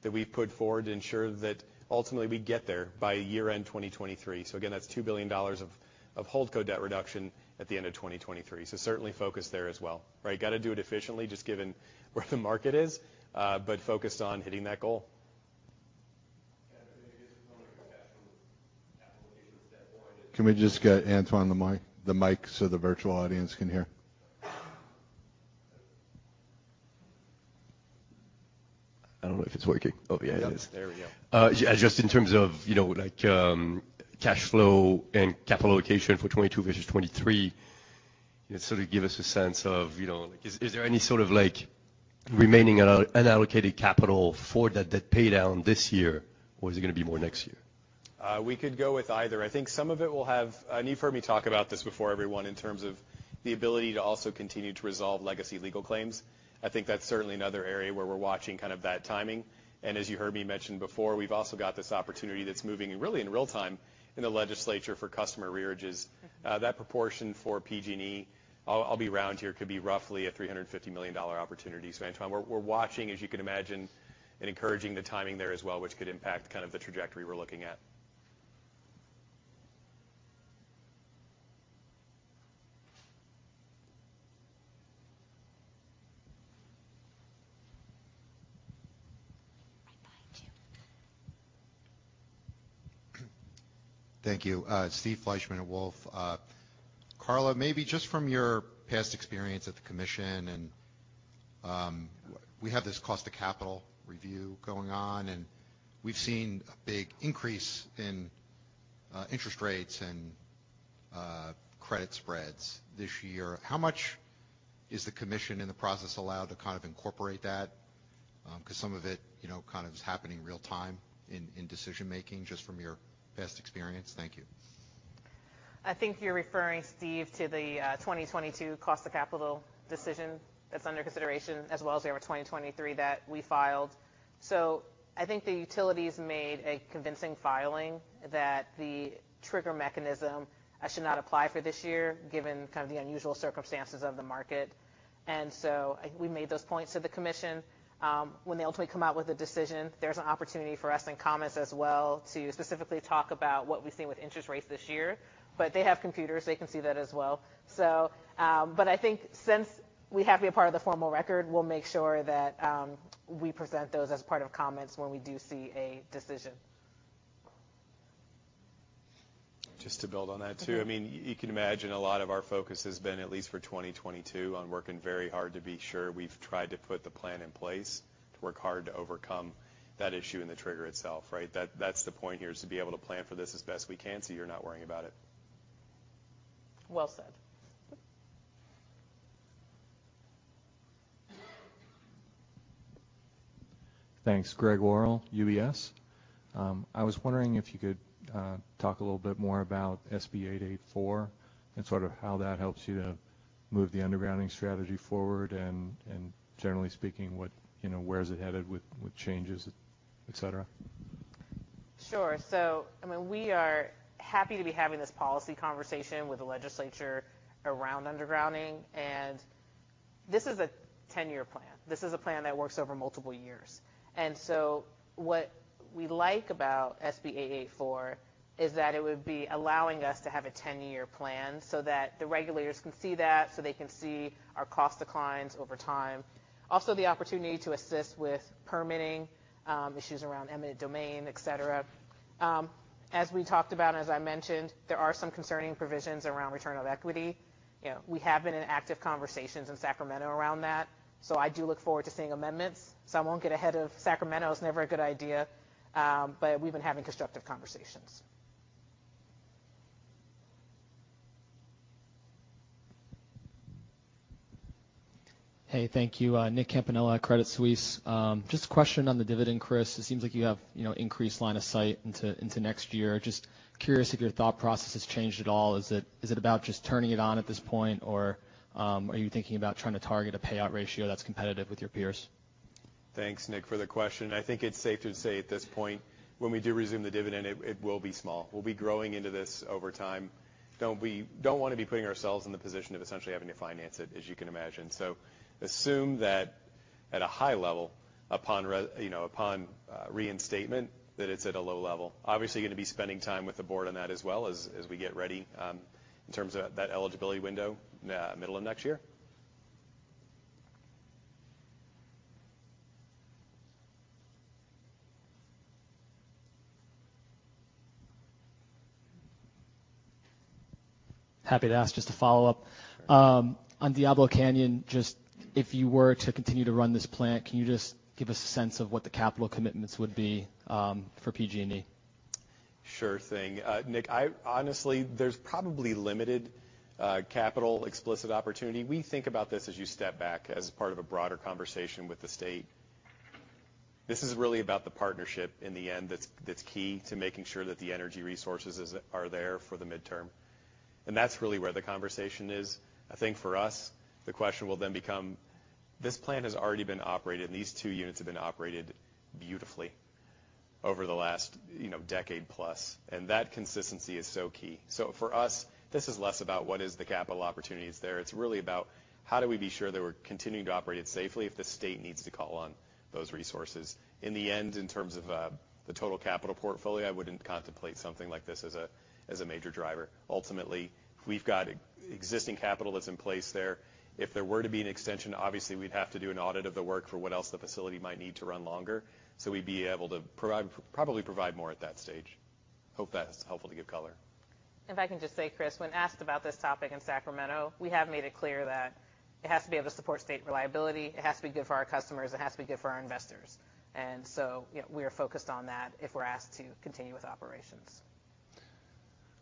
that we've put forward to ensure that ultimately we get there by year-end 2023. Again, that's $2 billion of holdco debt reduction at the end of 2023. Certainly focused there as well, right? Gotta do it efficiently just given where the market is, but focused on hitting that goal. Yeah. Maybe just from a cash flow and capital allocation standpoint. Can we just get Antoine the mic, so the virtual audience can hear? Sure. I don't know if it's working. Oh, yeah, it is. Yep. There we go. Just in terms of, you know, like, cash flow and capital allocation for 2022 versus 2023, you know, sort of give us a sense of, you know, like is there any sort of like remaining unallocated capital for that pay down this year or is it gonna be more next year? We could go with either. I think some of it will have. You've heard me talk about this before, everyone, in terms of the ability to also continue to resolve legacy legal claims. I think that's certainly another area where we're watching kind of that timing. As you heard me mention before, we've also got this opportunity that's moving really in real time in the legislature for customer arrearages. That proportion for PG&E, I'll be around here, could be roughly a $350 million opportunity. Antoine, we're watching, as you can imagine, and encouraging the timing there as well, which could impact kind of the trajectory we're looking at. Right behind you. Thank you. Steve Fleishman at Wolfe. Carla, maybe just from your past experience at the commission and we have this cost of capital review going on, and we've seen a big increase in interest rates and credit spreads this year. How much is the commission in the process allowed to kind of incorporate that? 'Cause some of it, you know, kind of is happening real time in decision-making, just from your past experience. Thank you. I think you're referring, Steve, to the 2022 cost of capital decision that's under consideration as well as our 2023 that we filed. I think the utilities made a convincing filing that the trigger mechanism should not apply for this year given kind of the unusual circumstances of the market. We made those points to the commission. When they ultimately come out with a decision, there's an opportunity for us in comments as well to specifically talk about what we've seen with interest rates this year. They have computers, they can see that as well. I think since we have to be a part of the formal record, we'll make sure that we present those as part of comments when we do see a decision. Just to build on that too. I mean, you can imagine a lot of our focus has been, at least for 2022, on working very hard to be sure we've tried to put the plan in place to work hard to overcome that issue and the trigger itself, right? That, that's the point here, is to be able to plan for this as best we can so you're not worrying about it. Well said. Thanks. Gregg Orrill, UBS. I was wondering if you could talk a little bit more about SB 884 and sort of how that helps you to move the undergrounding strategy forward, and generally speaking, what, you know, where is it headed with changes, et cetera. Sure. I mean, we are happy to be having this policy conversation with the legislature around undergrounding, and this is a 10-year plan. This is a plan that works over multiple years. What we like about SB 884 is that it would be allowing us to have a 10-year plan so that the regulators can see that, so they can see our cost declines over time. Also, the opportunity to assist with permitting, issues around eminent domain, et cetera. As we talked about, and as I mentioned, there are some concerning provisions around return of equity. You know, we have been in active conversations in Sacramento around that, so I do look forward to seeing amendments. I won't get ahead of Sacramento, it's never a good idea, but we've been having constructive conversations. Hey, thank you. Nicholas Campanella, Credit Suisse. Just a question on the dividend, Chris. It seems like you have, you know, increased line of sight into next year. Just curious if your thought process has changed at all. Is it about just turning it on at this point, or are you thinking about trying to target a payout ratio that's competitive with your peers? Thanks, Nick, for the question. I think it's safe to say at this point, when we do resume the dividend, it will be small. We'll be growing into this over time. Don't wanna be putting ourselves in the position of essentially having to finance it, as you can imagine. Assume that at a high level, upon reinstatement, that it's at a low level. Obviously, you're gonna be spending time with the board on that as well as we get ready in terms of that eligibility window, middle of next year. Happy to ask just a follow-up. On Diablo Canyon, just if you were to continue to run this plant, can you just give us a sense of what the capital commitments would be, for PG&E? Sure thing. Nick, I honestly, there's probably limited capital explicit opportunity. We think about this as you step back as part of a broader conversation with the state. This is really about the partnership in the end that's key to making sure that the energy resources are there for the midterm, and that's really where the conversation is. I think for us, the question will then become this plant has already been operated, and these two units have been operated beautifully over the last, you know, decade plus, and that consistency is so key. For us, this is less about what is the capital opportunities there. It's really about how do we be sure that we're continuing to operate it safely if the state needs to call on those resources. In the end, in terms of the total capital portfolio, I wouldn't contemplate something like this as a major driver. Ultimately, we've got existing capital that's in place there. If there were to be an extension, obviously we'd have to do an audit of the work for what else the facility might need to run longer. We'd be able to provide probably more at that stage. Hope that's helpful to give color. If I can just say, Chris, when asked about this topic in Sacramento, we have made it clear that it has to be able to support state reliability, it has to be good for our customers, it has to be good for our investors. You know, we are focused on that if we're asked to continue with operations.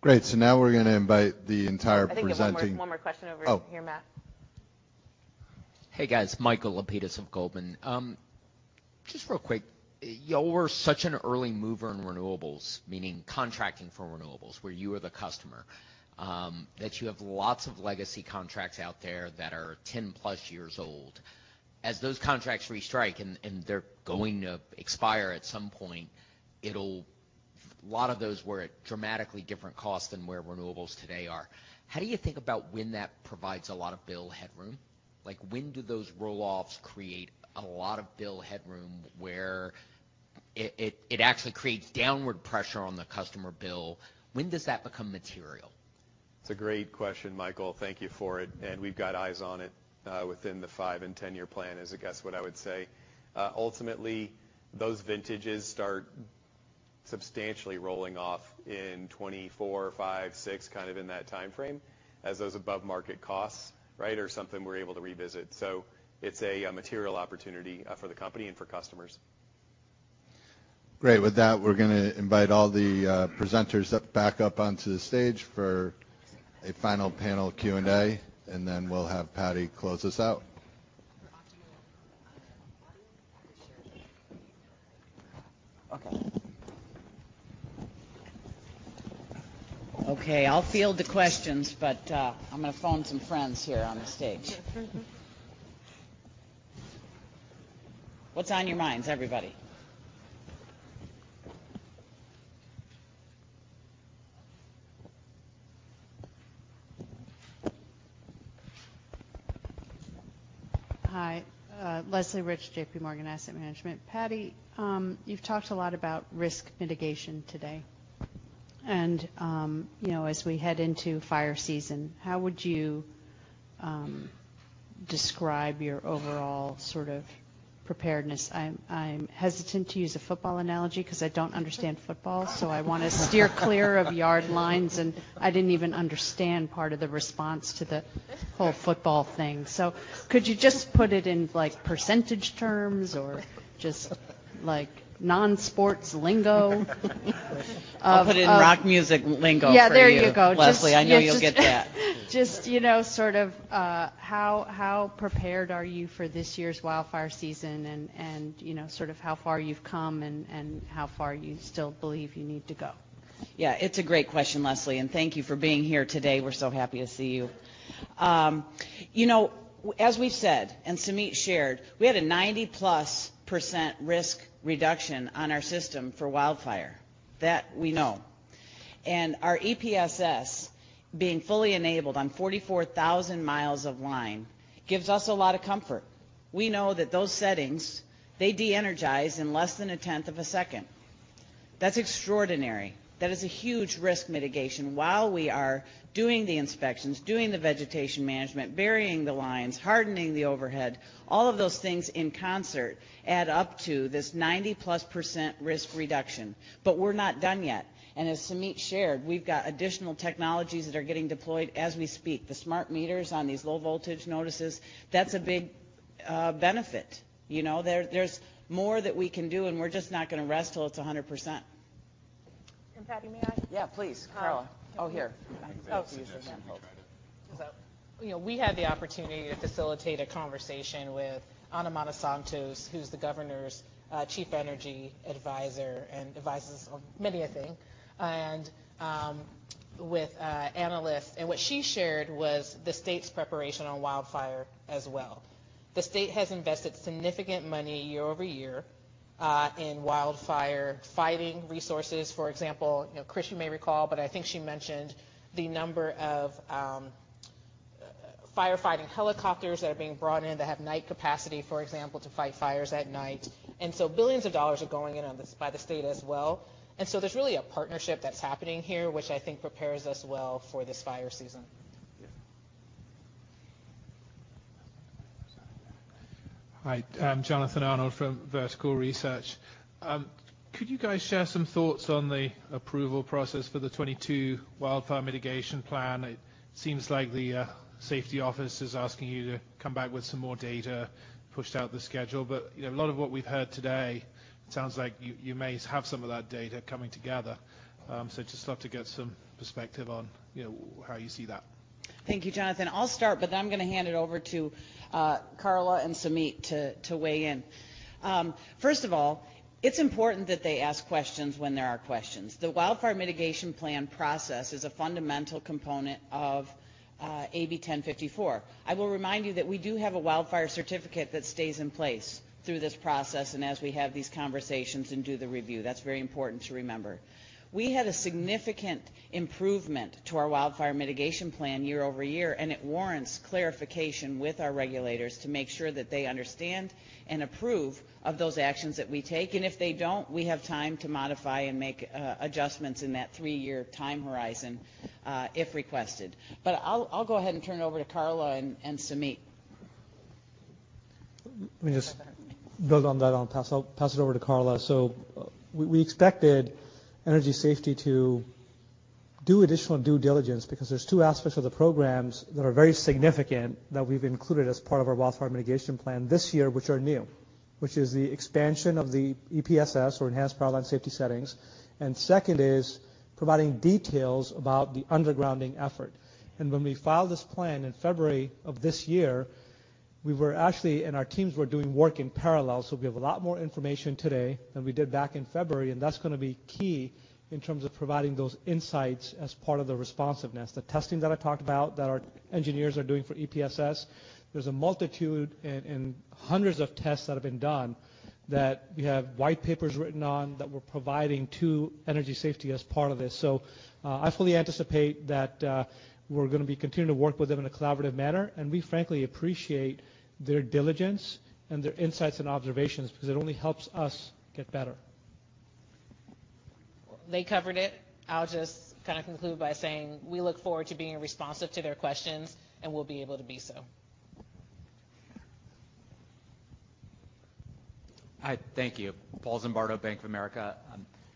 Great. Now we're gonna invite the entire presenting- I think you have one more question over here, Matt. Oh. Hey, guys. Michael Lapides of Goldman. Just real quick, y'all were such an early mover in renewables, meaning contracting for renewables, where you are the customer, that you have lots of legacy contracts out there that are 10+ years old. As those contracts restrike, and they're going to expire at some point, it'll. A lot of those were at dramatically different cost than where renewables today are. How do you think about when that provides a lot of bill headroom? Like, when do those roll-offs create a lot of bill headroom where it actually creates downward pressure on the customer bill? When does that become material? It's a great question, Michael. Thank you for it, and we've got eyes on it within the five- and 10-year plan is I guess what I would say. Ultimately, those vintages start substantially rolling off in 2024, 2025, 2026, kind of in that timeframe as those above-market costs, right, are something we're able to revisit. It's a material opportunity for the company and for customers. Great. With that, we're gonna invite all the presenters back up onto the stage for a final panel Q&A, and then we'll have Patti close us out. We're onto audio. Audio? Sure. Okay. Okay, I'll field the questions, but I'm gonna phone some friends here on the stage. What's on your minds, everybody? Hi. Leslie Rich, J.P. Morgan Asset Management. Patti, you've talked a lot about risk mitigation today. You know, as we head into fire season, how would you describe your overall sort of preparedness? I'm hesitant to use a football analogy 'cause I don't understand football. I wanna steer clear of yard lines, and I didn't even understand part of the response to the whole football thing. Could you just put it in, like, percentage terms or just, like, non-sports lingo? I'll put it in rock music lingo for you. Yeah, there you go. Leslie, I know you'll get that. Just, you know, sort of, how prepared are you for this year's wildfire season and, you know, sort of how far you've come and how far you still believe you need to go? Yeah, it's a great question, Leslie, and thank you for being here today. We're so happy to see you. You know, as we've said and Sumeet shared, we had a 90% risk reduction on our system for wildfire. That we know. Our EPSS being fully enabled on 44,000 mi of line gives us a lot of comfort. We know that those settings, they de-energize in less than a tenth of a second. That's extraordinary. That is a huge risk mitigation. While we are doing the inspections, doing the vegetation management, burying the lines, hardening the overhead, all of those things in concert add up to this 90% risk reduction. But we're not done yet. As Sumeet shared, we've got additional technologies that are getting deployed as we speak. The smart meters on these low voltage notices, that's a big benefit. You know? There's more that we can do, and we're just not gonna rest till it's 100%. Patti, may I? Yeah, please. Carla. Oh, here. Oh. You can use your microphone. You know, we had the opportunity to facilitate a conversation with Ana Matosantos, who's the governor's Chief Energy Advisor and advises on many a thing, with analysts, and what she shared was the state's preparation on wildfire as well. The state has invested significant money year over year in wildfire fighting resources. For example, you know, Chris, you may recall, but I think she mentioned the number of firefighting helicopters that are being brought in that have night capacity, for example, to fight fires at night. Billions of dollars are going in on this by the state as well. There's really a partnership that's happening here, which I think prepares us well for this fire season. Yeah. Hi. I'm Jonathan Arnold from Vertical Research. Could you guys share some thoughts on the approval process for the 2022 Wildfire Mitigation Plan? It seems like the safety office is asking you to come back with some more data, pushed out the schedule. You know, a lot of what we've heard today, it sounds like you may have some of that data coming together. So just love to get some perspective on, you know, how you see that. Thank you, Jonathan. I'll start, but then I'm gonna hand it over to Carla and Sumeet to weigh in. First of all, it's important that they ask questions when there are questions. The Wildfire Mitigation Plan process is a fundamental component of AB 1054. I will remind you that we do have a wildfire certificate that stays in place through this process and as we have these conversations and do the review. That's very important to remember. We had a significant improvement to our Wildfire Mitigation Plan year over year, and it warrants clarification with our regulators to make sure that they understand and approve of those actions that we take, and if they don't, we have time to modify and make adjustments in that three-year time horizon, if requested. I'll go ahead and turn it over to Carla and Sumeet. Let me just build on that, I'll pass it over to Carla. We expected Energy Safety to do additional due diligence because there's two aspects of the programs that are very significant that we've included as part of our Wildfire Mitigation Plan this year, which are new, which is the expansion of the EPSS or Enhanced Powerline Safety Settings, and second is providing details about the undergrounding effort. When we filed this plan in February of this year, we were actually, and our teams were doing work in parallel, so we have a lot more information today than we did back in February, and that's gonna be key in terms of providing those insights as part of the responsiveness. The testing that I talked about that our engineers are doing for EPSS, there's a multitude and hundreds of tests that have been done that we have white papers written on that we're providing to Energy Safety as part of this. I fully anticipate that, we're gonna be continuing to work with them in a collaborative manner, and we frankly appreciate their diligence and their insights and observations, because it only helps us get better. They covered it. I'll just kinda conclude by saying we look forward to being responsive to their questions, and we'll be able to be so. Hi, thank you. Paul Zimbardo, Bank of America.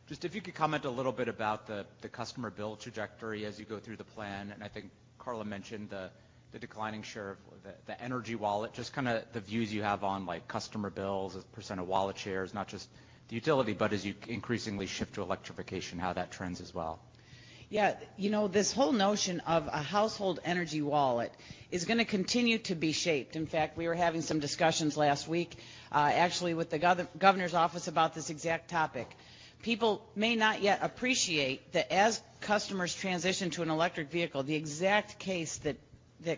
Just if you could comment a little bit about the customer bill trajectory as you go through the plan, and I think Carla mentioned the declining share of the energy wallet. Just kinda the views you have on, like, customer bills, percent of wallet shares, not just the utility, but as you increasingly shift to electrification, how that trends as well. Yeah. You know, this whole notion of a household energy wallet is gonna continue to be shaped. In fact, we were having some discussions last week, actually with the governor's office about this exact topic. People may not yet appreciate that as customers transition to an electric vehicle, the exact case that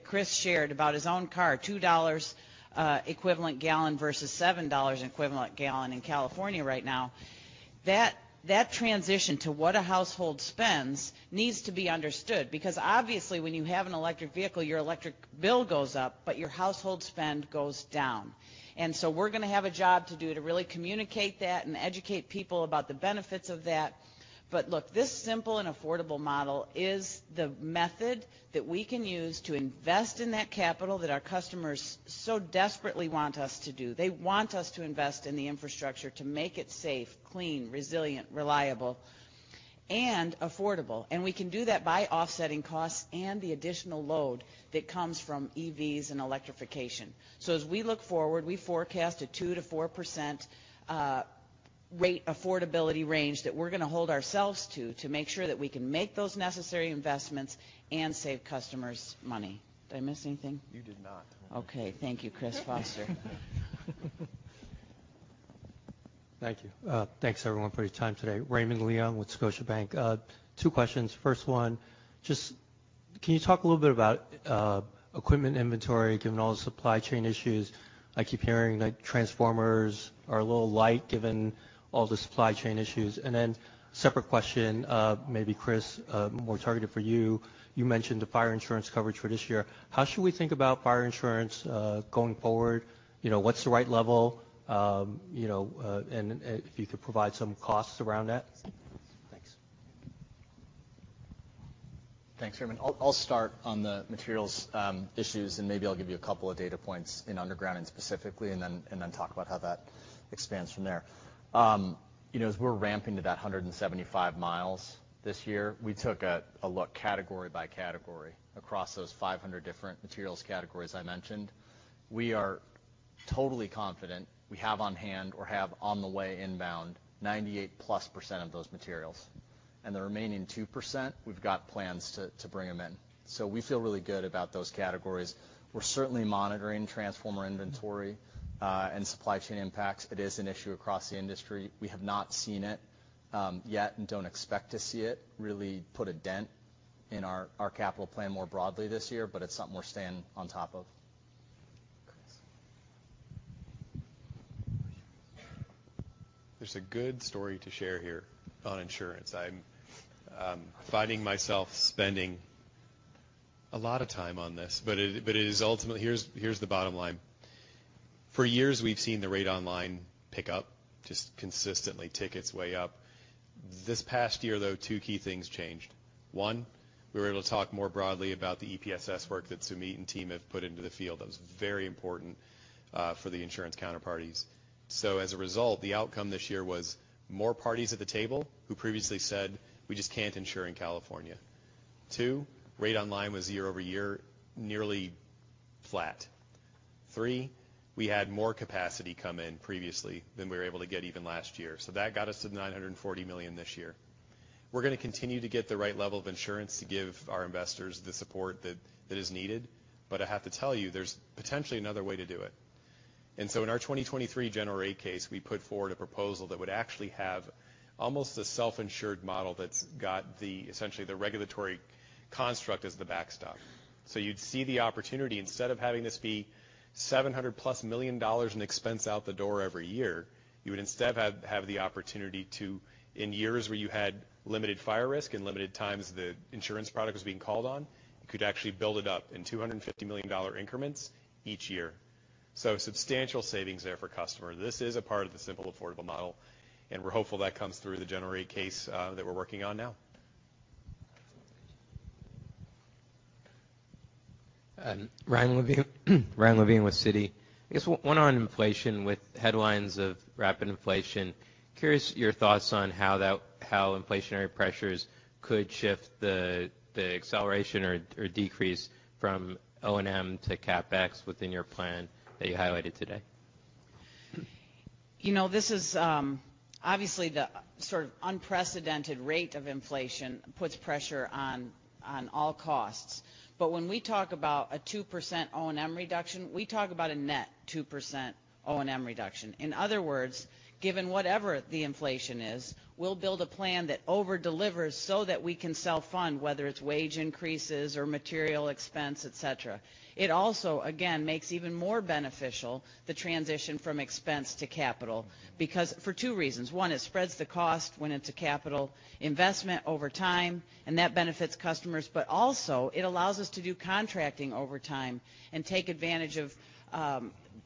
Chris shared about his own car, $2 equivalent gallon versus $7 an equivalent gallon in California right now. That transition to what a household spends needs to be understood because obviously when you have an electric vehicle, your electric bill goes up, but your household spend goes down. We're gonna have a job to do to really communicate that and educate people about the benefits of that. Look, this simple and affordable model is the method that we can use to invest in that capital that our customers so desperately want us to do. They want us to invest in the infrastructure to make it safe, clean, resilient, reliable and affordable. We can do that by offsetting costs and the additional load that comes from EVs and electrification. As we look forward, we forecast a 2%-4% rate affordability range that we're going to hold ourselves to make sure that we can make those necessary investments and save customers money. Did I miss anything? You did not. Okay. Thank you, Chris Foster. Thank you. Thanks everyone for your time today. Raymond Leung with Scotiabank. Two questions. First one, just can you talk a little bit about equipment inventory given all the supply chain issues? I keep hearing like transformers are a little light given all the supply chain issues. Then separate question, maybe Chris, more targeted for you. You mentioned the fire insurance coverage for this year. How should we think about fire insurance going forward? You know, what's the right level? And if you could provide some costs around that. Thanks. Thanks, Raymond. I'll start on the materials issues, and maybe I'll give you a couple of data points in undergrounding specifically, and then talk about how that expands from there. You know, as we're ramping to that 175 mi this year, we took a look category by category across those 500 different materials categories I mentioned. We are totally confident we have on hand or have on the way inbound 98%+ of those materials. The remaining 2%, we've got plans to bring them in. We feel really good about those categories. We're certainly monitoring transformer inventory and supply chain impacts. It is an issue across the industry. We have not seen it yet and don't expect to see it really put a dent in our capital plan more broadly this year, but it's something we're staying on top of. Chris. There's a good story to share here on insurance. I'm finding myself spending a lot of time on this, but it is ultimately. Here's the bottom line. For years, we've seen the rate on line pick up, just consistently tick its way up. This past year, though, two key things changed. One, we were able to talk more broadly about the EPSS work that Sumeet and team have put into the field. That was very important for the insurance counterparties. As a result, the outcome this year was more parties at the table who previously said, "We just can't insure in California." Two, rate on line was year-over-year, nearly flat. Three, we had more capacity come in previously than we were able to get even last year. That got us to $940 million this year. We're going to continue to get the right level of insurance to give our investors the support that is needed. I have to tell you, there's potentially another way to do it. In our 2023 general rate case, we put forward a proposal that would actually have almost a self-insured model that's got the, essentially the regulatory construct as the backstop. You'd see the opportunity, instead of having this be $700+ million in expense out the door every year, you would instead have the opportunity to, in years where you had limited fire risk and limited times the insurance product was being called on, you could actually build it up in $250 million increments each year. Substantial savings there for customer. This is a part of the simple, affordable model, and we're hopeful that comes through the general rate case, that we're working on now. Thanks. Ryan Levine with Citigroup. I guess one on inflation with headlines of rapid inflation. Curious your thoughts on how inflationary pressures could shift the acceleration or decrease from O&M to CapEx within your plan that you highlighted today. You know, this is obviously the sort of unprecedented rate of inflation puts pressure on all costs. When we talk about a 2% O&M reduction, we talk about a net 2% O&M reduction. In other words, given whatever the inflation is, we'll build a plan that over-delivers so that we can self-fund, whether it's wage increases or material expense, et cetera. It also, again, makes even more beneficial the transition from expense to capital because for two reasons. One, it spreads the cost when it's a capital investment over time, and that benefits customers. Also it allows us to do contracting over time and take advantage of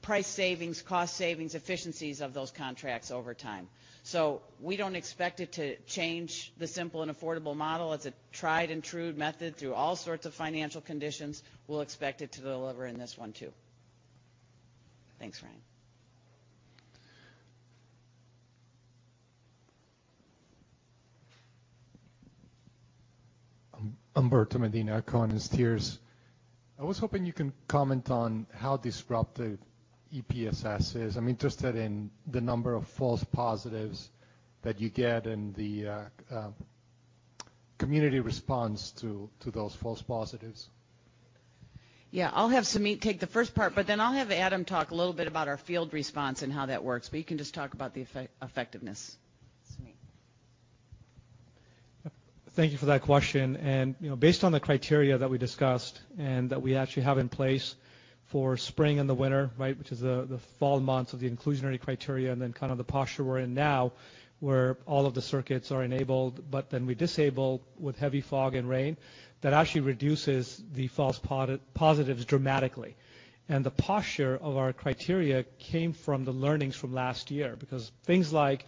price savings, cost savings, efficiencies of those contracts over time. We don't expect it to change the simple and affordable model. It's a tried and true method through all sorts of financial conditions. We'll expect it to deliver in this one too. Thanks, Ryan. I'm Humberto Medina, Cohen & Steers. I was hoping you can comment on how disruptive EPSS is. I'm interested in the number of false positives that you get and the community response to those false positives. Yeah. I'll have Sumeet take the first part, but then I'll have Adam talk a little bit about our field response and how that works. You can just talk about the effectiveness. Thank you for that question. You know, based on the criteria that we discussed and that we actually have in place for spring and the winter, right, which is the fall months of the inclusionary criteria and then kind of the posture we're in now, where all of the circuits are enabled, but then we disable with heavy fog and rain, that actually reduces the false positives dramatically. The posture of our criteria came from the learnings from last year, because things like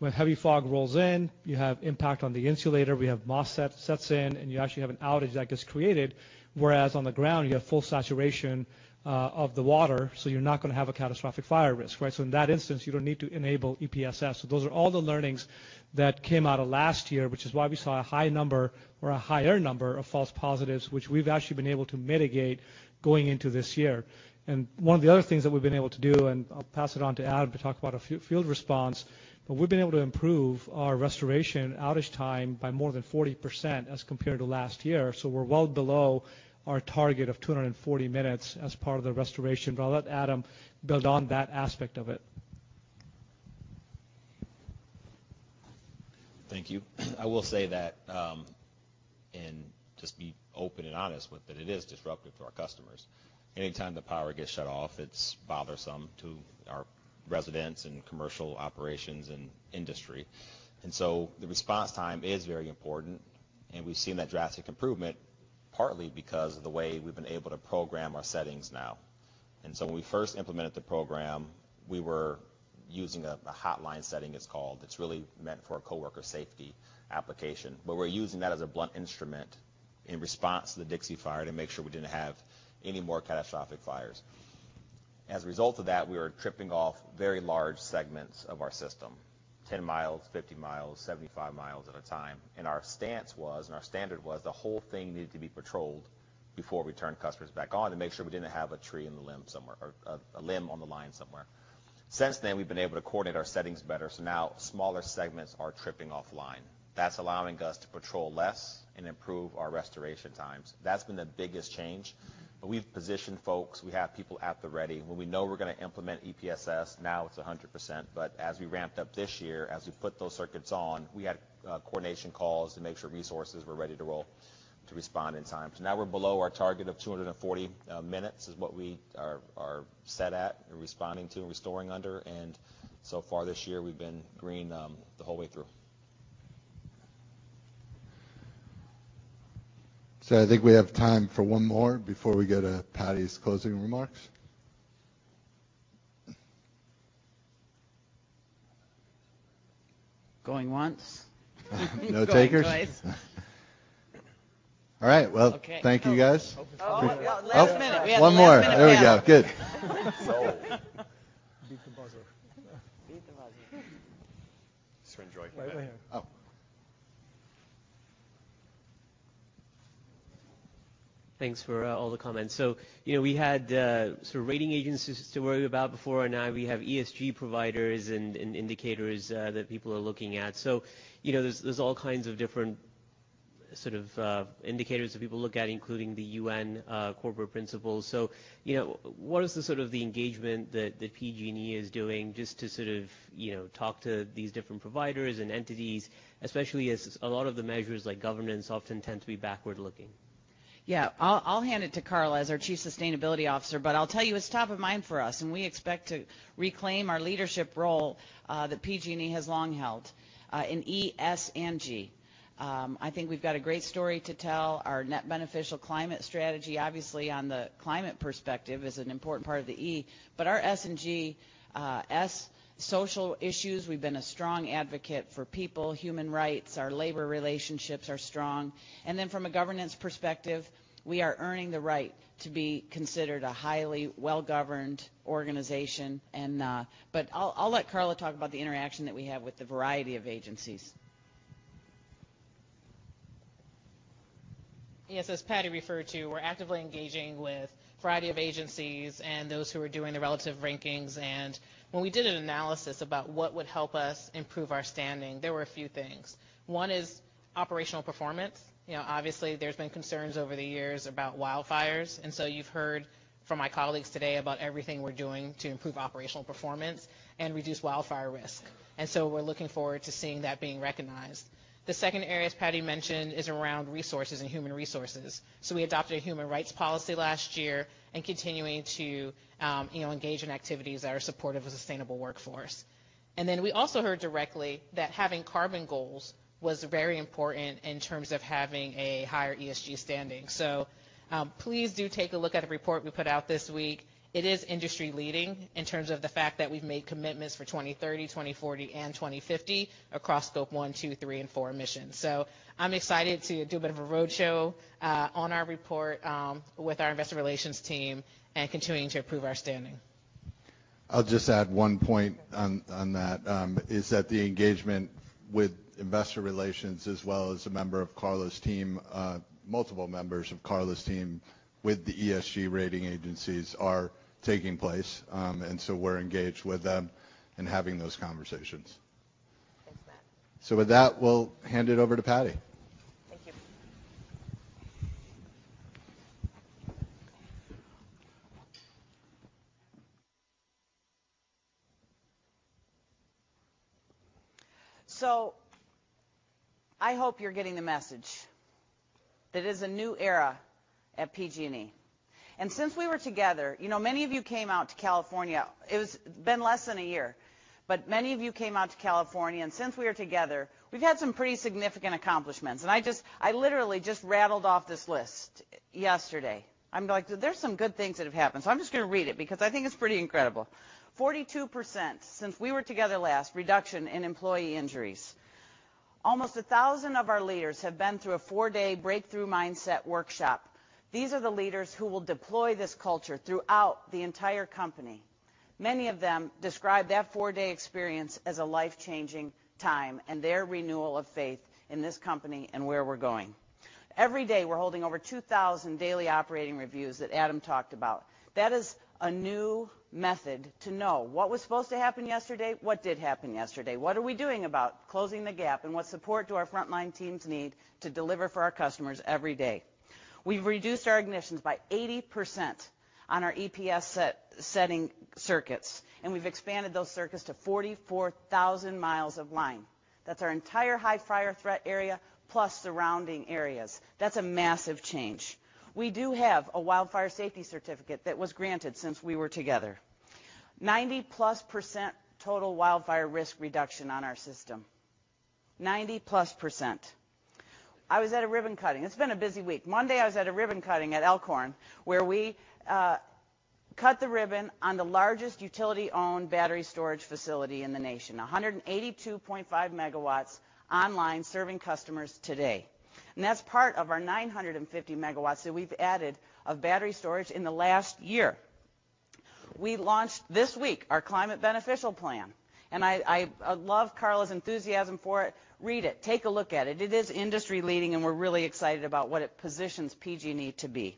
when heavy fog rolls in, you have impact on the insulator, we have moss sets in, and you actually have an outage that gets created, whereas on the ground you have full saturation of the water, so you're not gonna have a catastrophic fire risk, right? In that instance, you don't need to enable EPSS. Those are all the learnings that came out of last year, which is why we saw a high number or a higher number of false positives, which we've actually been able to mitigate going into this year. One of the other things that we've been able to do, and I'll pass it on to Adam to talk about our field response, but we've been able to improve our restoration outage time by more than 40% as compared to last year. We're well below our target of 240 minutes as part of the restoration. I'll let Adam build on that aspect of it. Thank you. I will say that, and just be open and honest with that it is disruptive to our customers. Anytime the power gets shut off, it's bothersome to our residents and commercial operations and industry. The response time is very important, and we've seen that drastic improvement partly because of the way we've been able to program our settings now. When we first implemented the program, we were using a hotline setting it's called, that's really meant for a coworker safety application. We're using that as a blunt instrument in response to the Dixie Fire to make sure we didn't have any more catastrophic fires. As a result of that, we were tripping off very large segments of our system, 10 mi, 50 mi, 75 mi at a time. Our stance was, and our standard was, the whole thing needed to be patrolled before we turned customers back on to make sure we didn't have a tree in the limb somewhere or a limb on the line somewhere. Since then, we've been able to coordinate our settings better, so now smaller segments are tripping offline. That's allowing us to patrol less and improve our restoration times. That's been the biggest change. We've positioned folks, we have people at the ready. When we know we're gonna implement EPSS, now it's 100%, but as we ramped up this year, as we put those circuits on, we had coordination calls to make sure resources were ready to roll to respond in time. Now we're below our target of 240 minutes, which is what we are set at and responding to and restoring under. So far this year we've been green the whole way through. I think we have time for one more before we go to Patti's closing remarks. Going once. No takers? Going twice. All right. Okay. Thank you, guys. Hope... Oh, last minute. Oh, one more. We have a last-minute guest. There we go. Good. Sold. Beat the buzzer. Beat the buzzer. Srinjoy. Right over here. Oh. Thanks for all the comments. You know, we had sort of rating agencies to worry about before, and now we have ESG providers and indicators that people are looking at. You know, there's all kinds of different sort of indicators that people look at, including the UN corporate principles. You know, what is the sort of engagement that PG&E is doing just to sort of, you know, talk to these different providers and entities, especially as a lot of the measures like governance often tend to be backward-looking? Yeah. I'll hand it to Carla as our Chief Sustainability Officer, but I'll tell you it's top of mind for us, and we expect to reclaim our leadership role that PG&E has long held in E, S, and G. I think we've got a great story to tell. Our net beneficial climate strategy, obviously on the climate perspective is an important part of the E. But our S and G, S, social issues, we've been a strong advocate for people, human rights, our labor relationships are strong. From a governance perspective, we are earning the right to be considered a highly well-governed organization. But I'll let Carla talk about the interaction that we have with the variety of agencies. Yes. As Patti referred to, we're actively engaging with a variety of agencies and those who are doing the relative rankings. When we did an analysis about what would help us improve our standing, there were a few things. One is operational performance. You know, obviously there's been concerns over the years about wildfires, and so you've heard from my colleagues today about everything we're doing to improve operational performance and reduce wildfire risk. We're looking forward to seeing that being recognized. The second area, as Patti mentioned, is around resources and human resources. We adopted a human rights policy last year and continuing to, you know, engage in activities that are supportive of sustainable workforce. We also heard directly that having carbon goals was very important in terms of having a higher ESG standing. Please do take a look at the report we put out this week. It is industry leading in terms of the fact that we've made commitments for 2030, 2040, and 2050 across Scope 1, 2, 3, and 4 emissions. I'm excited to do a bit of a roadshow on our report with our investor relations team and continuing to improve our standing. I'll just add one point on that is that the engagement with investor relations as well as a member of Carla's team, multiple members of Carla's team with the ESG rating agencies are taking place. We're engaged with them in having those conversations. Thanks, Matt. With that, we'll hand it over to Patti. Thank you. I hope you're getting the message that it is a new era at PG&E. Since we were together, you know, many of you came out to California. It was been less than a year, but many of you came out to California, and since we are together, we've had some pretty significant accomplishments. I just, I literally just rattled off this list yesterday. I'm like, "There's some good things that have happened." I'm just gonna read it because I think it's pretty incredible. 42% since we were together last, reduction in employee injuries. Almost 1,000 of our leaders have been through a four-day breakthrough mindset workshop. These are the leaders who will deploy this culture throughout the entire company. Many of them describe that four-day experience as a life-changing time and their renewal of faith in this company and where we're going. Every day, we're holding over 2,000 daily operating reviews that Adam talked about. That is a new method to know what was supposed to happen yesterday, what did happen yesterday, what are we doing about closing the gap, and what support do our frontline teams need to deliver for our customers every day. We've reduced our ignitions by 80% on our EPSS-setting circuits, and we've expanded those circuits to 44,000 mi of line. That's our entire high fire threat area, plus surrounding areas. That's a massive change. We do have a wildfire safety certificate that was granted since we were together. 90+% total wildfire risk reduction on our system. 90+%. I was at a ribbon cutting. It's been a busy week. Monday I was at a ribbon cutting at Elkhorn, where we cut the ribbon on the largest utility-owned battery storage facility in the nation. 182.5 MW online, serving customers today. That's part of our 950 MW that we've added of battery storage in the last year. We launched this week our climate beneficial plan, and I love Carla's enthusiasm for it. Read it. Take a look at it. It is industry-leading, and we're really excited about what it positions PG&E to be.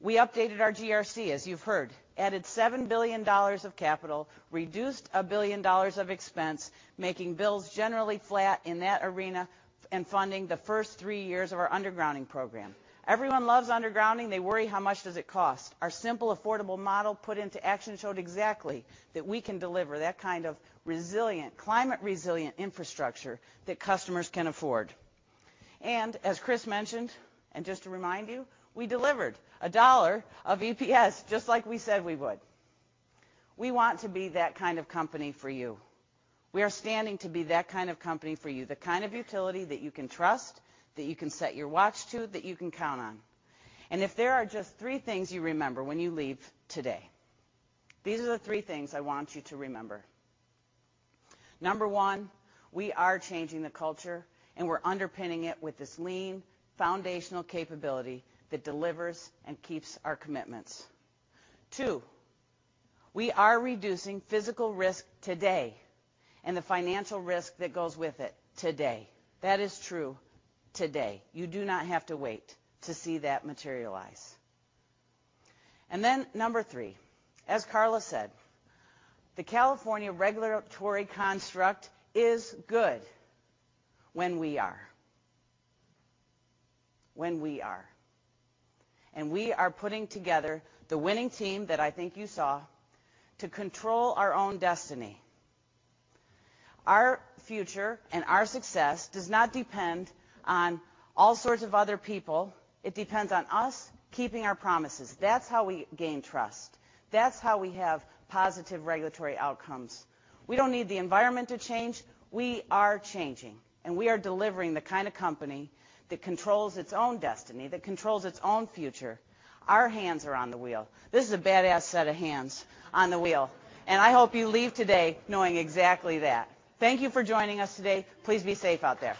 We updated our GRC, as you've heard. Added $7 billion of capital, reduced $1 billion of expense, making bills generally flat in that arena and funding the first three years of our undergrounding program. Everyone loves undergrounding. They worry how much does it cost. Our simple, affordable model put into action showed exactly that we can deliver that kind of resilient, climate-resilient infrastructure that customers can afford. As Chris mentioned, and just to remind you, we delivered $1 of EPS just like we said we would. We want to be that kind of company for you. We are striving to be that kind of company for you, the kind of utility that you can trust, that you can set your watch to, that you can count on. If there are just three things you remember when you leave today, these are the three things I want you to remember. Number one. We are changing the culture, and we're underpinning it with this lean foundational capability that delivers and keeps our commitments. Two. We are reducing physical risk today and the financial risk that goes with it today. That is true today. You do not have to wait to see that materialize. Number three: as Carla said, the California regulatory construct is good when we are. We are putting together the winning team that I think you saw to control our own destiny. Our future and our success does not depend on all sorts of other people. It depends on us keeping our promises. That's how we gain trust. That's how we have positive regulatory outcomes. We don't need the environment to change. We are changing, and we are delivering the kind of company that controls its own destiny, that controls its own future. Our hands are on the wheel. This is a badass set of hands on the wheel, and I hope you leave today knowing exactly that. Thank you for joining us today. Please be safe out there.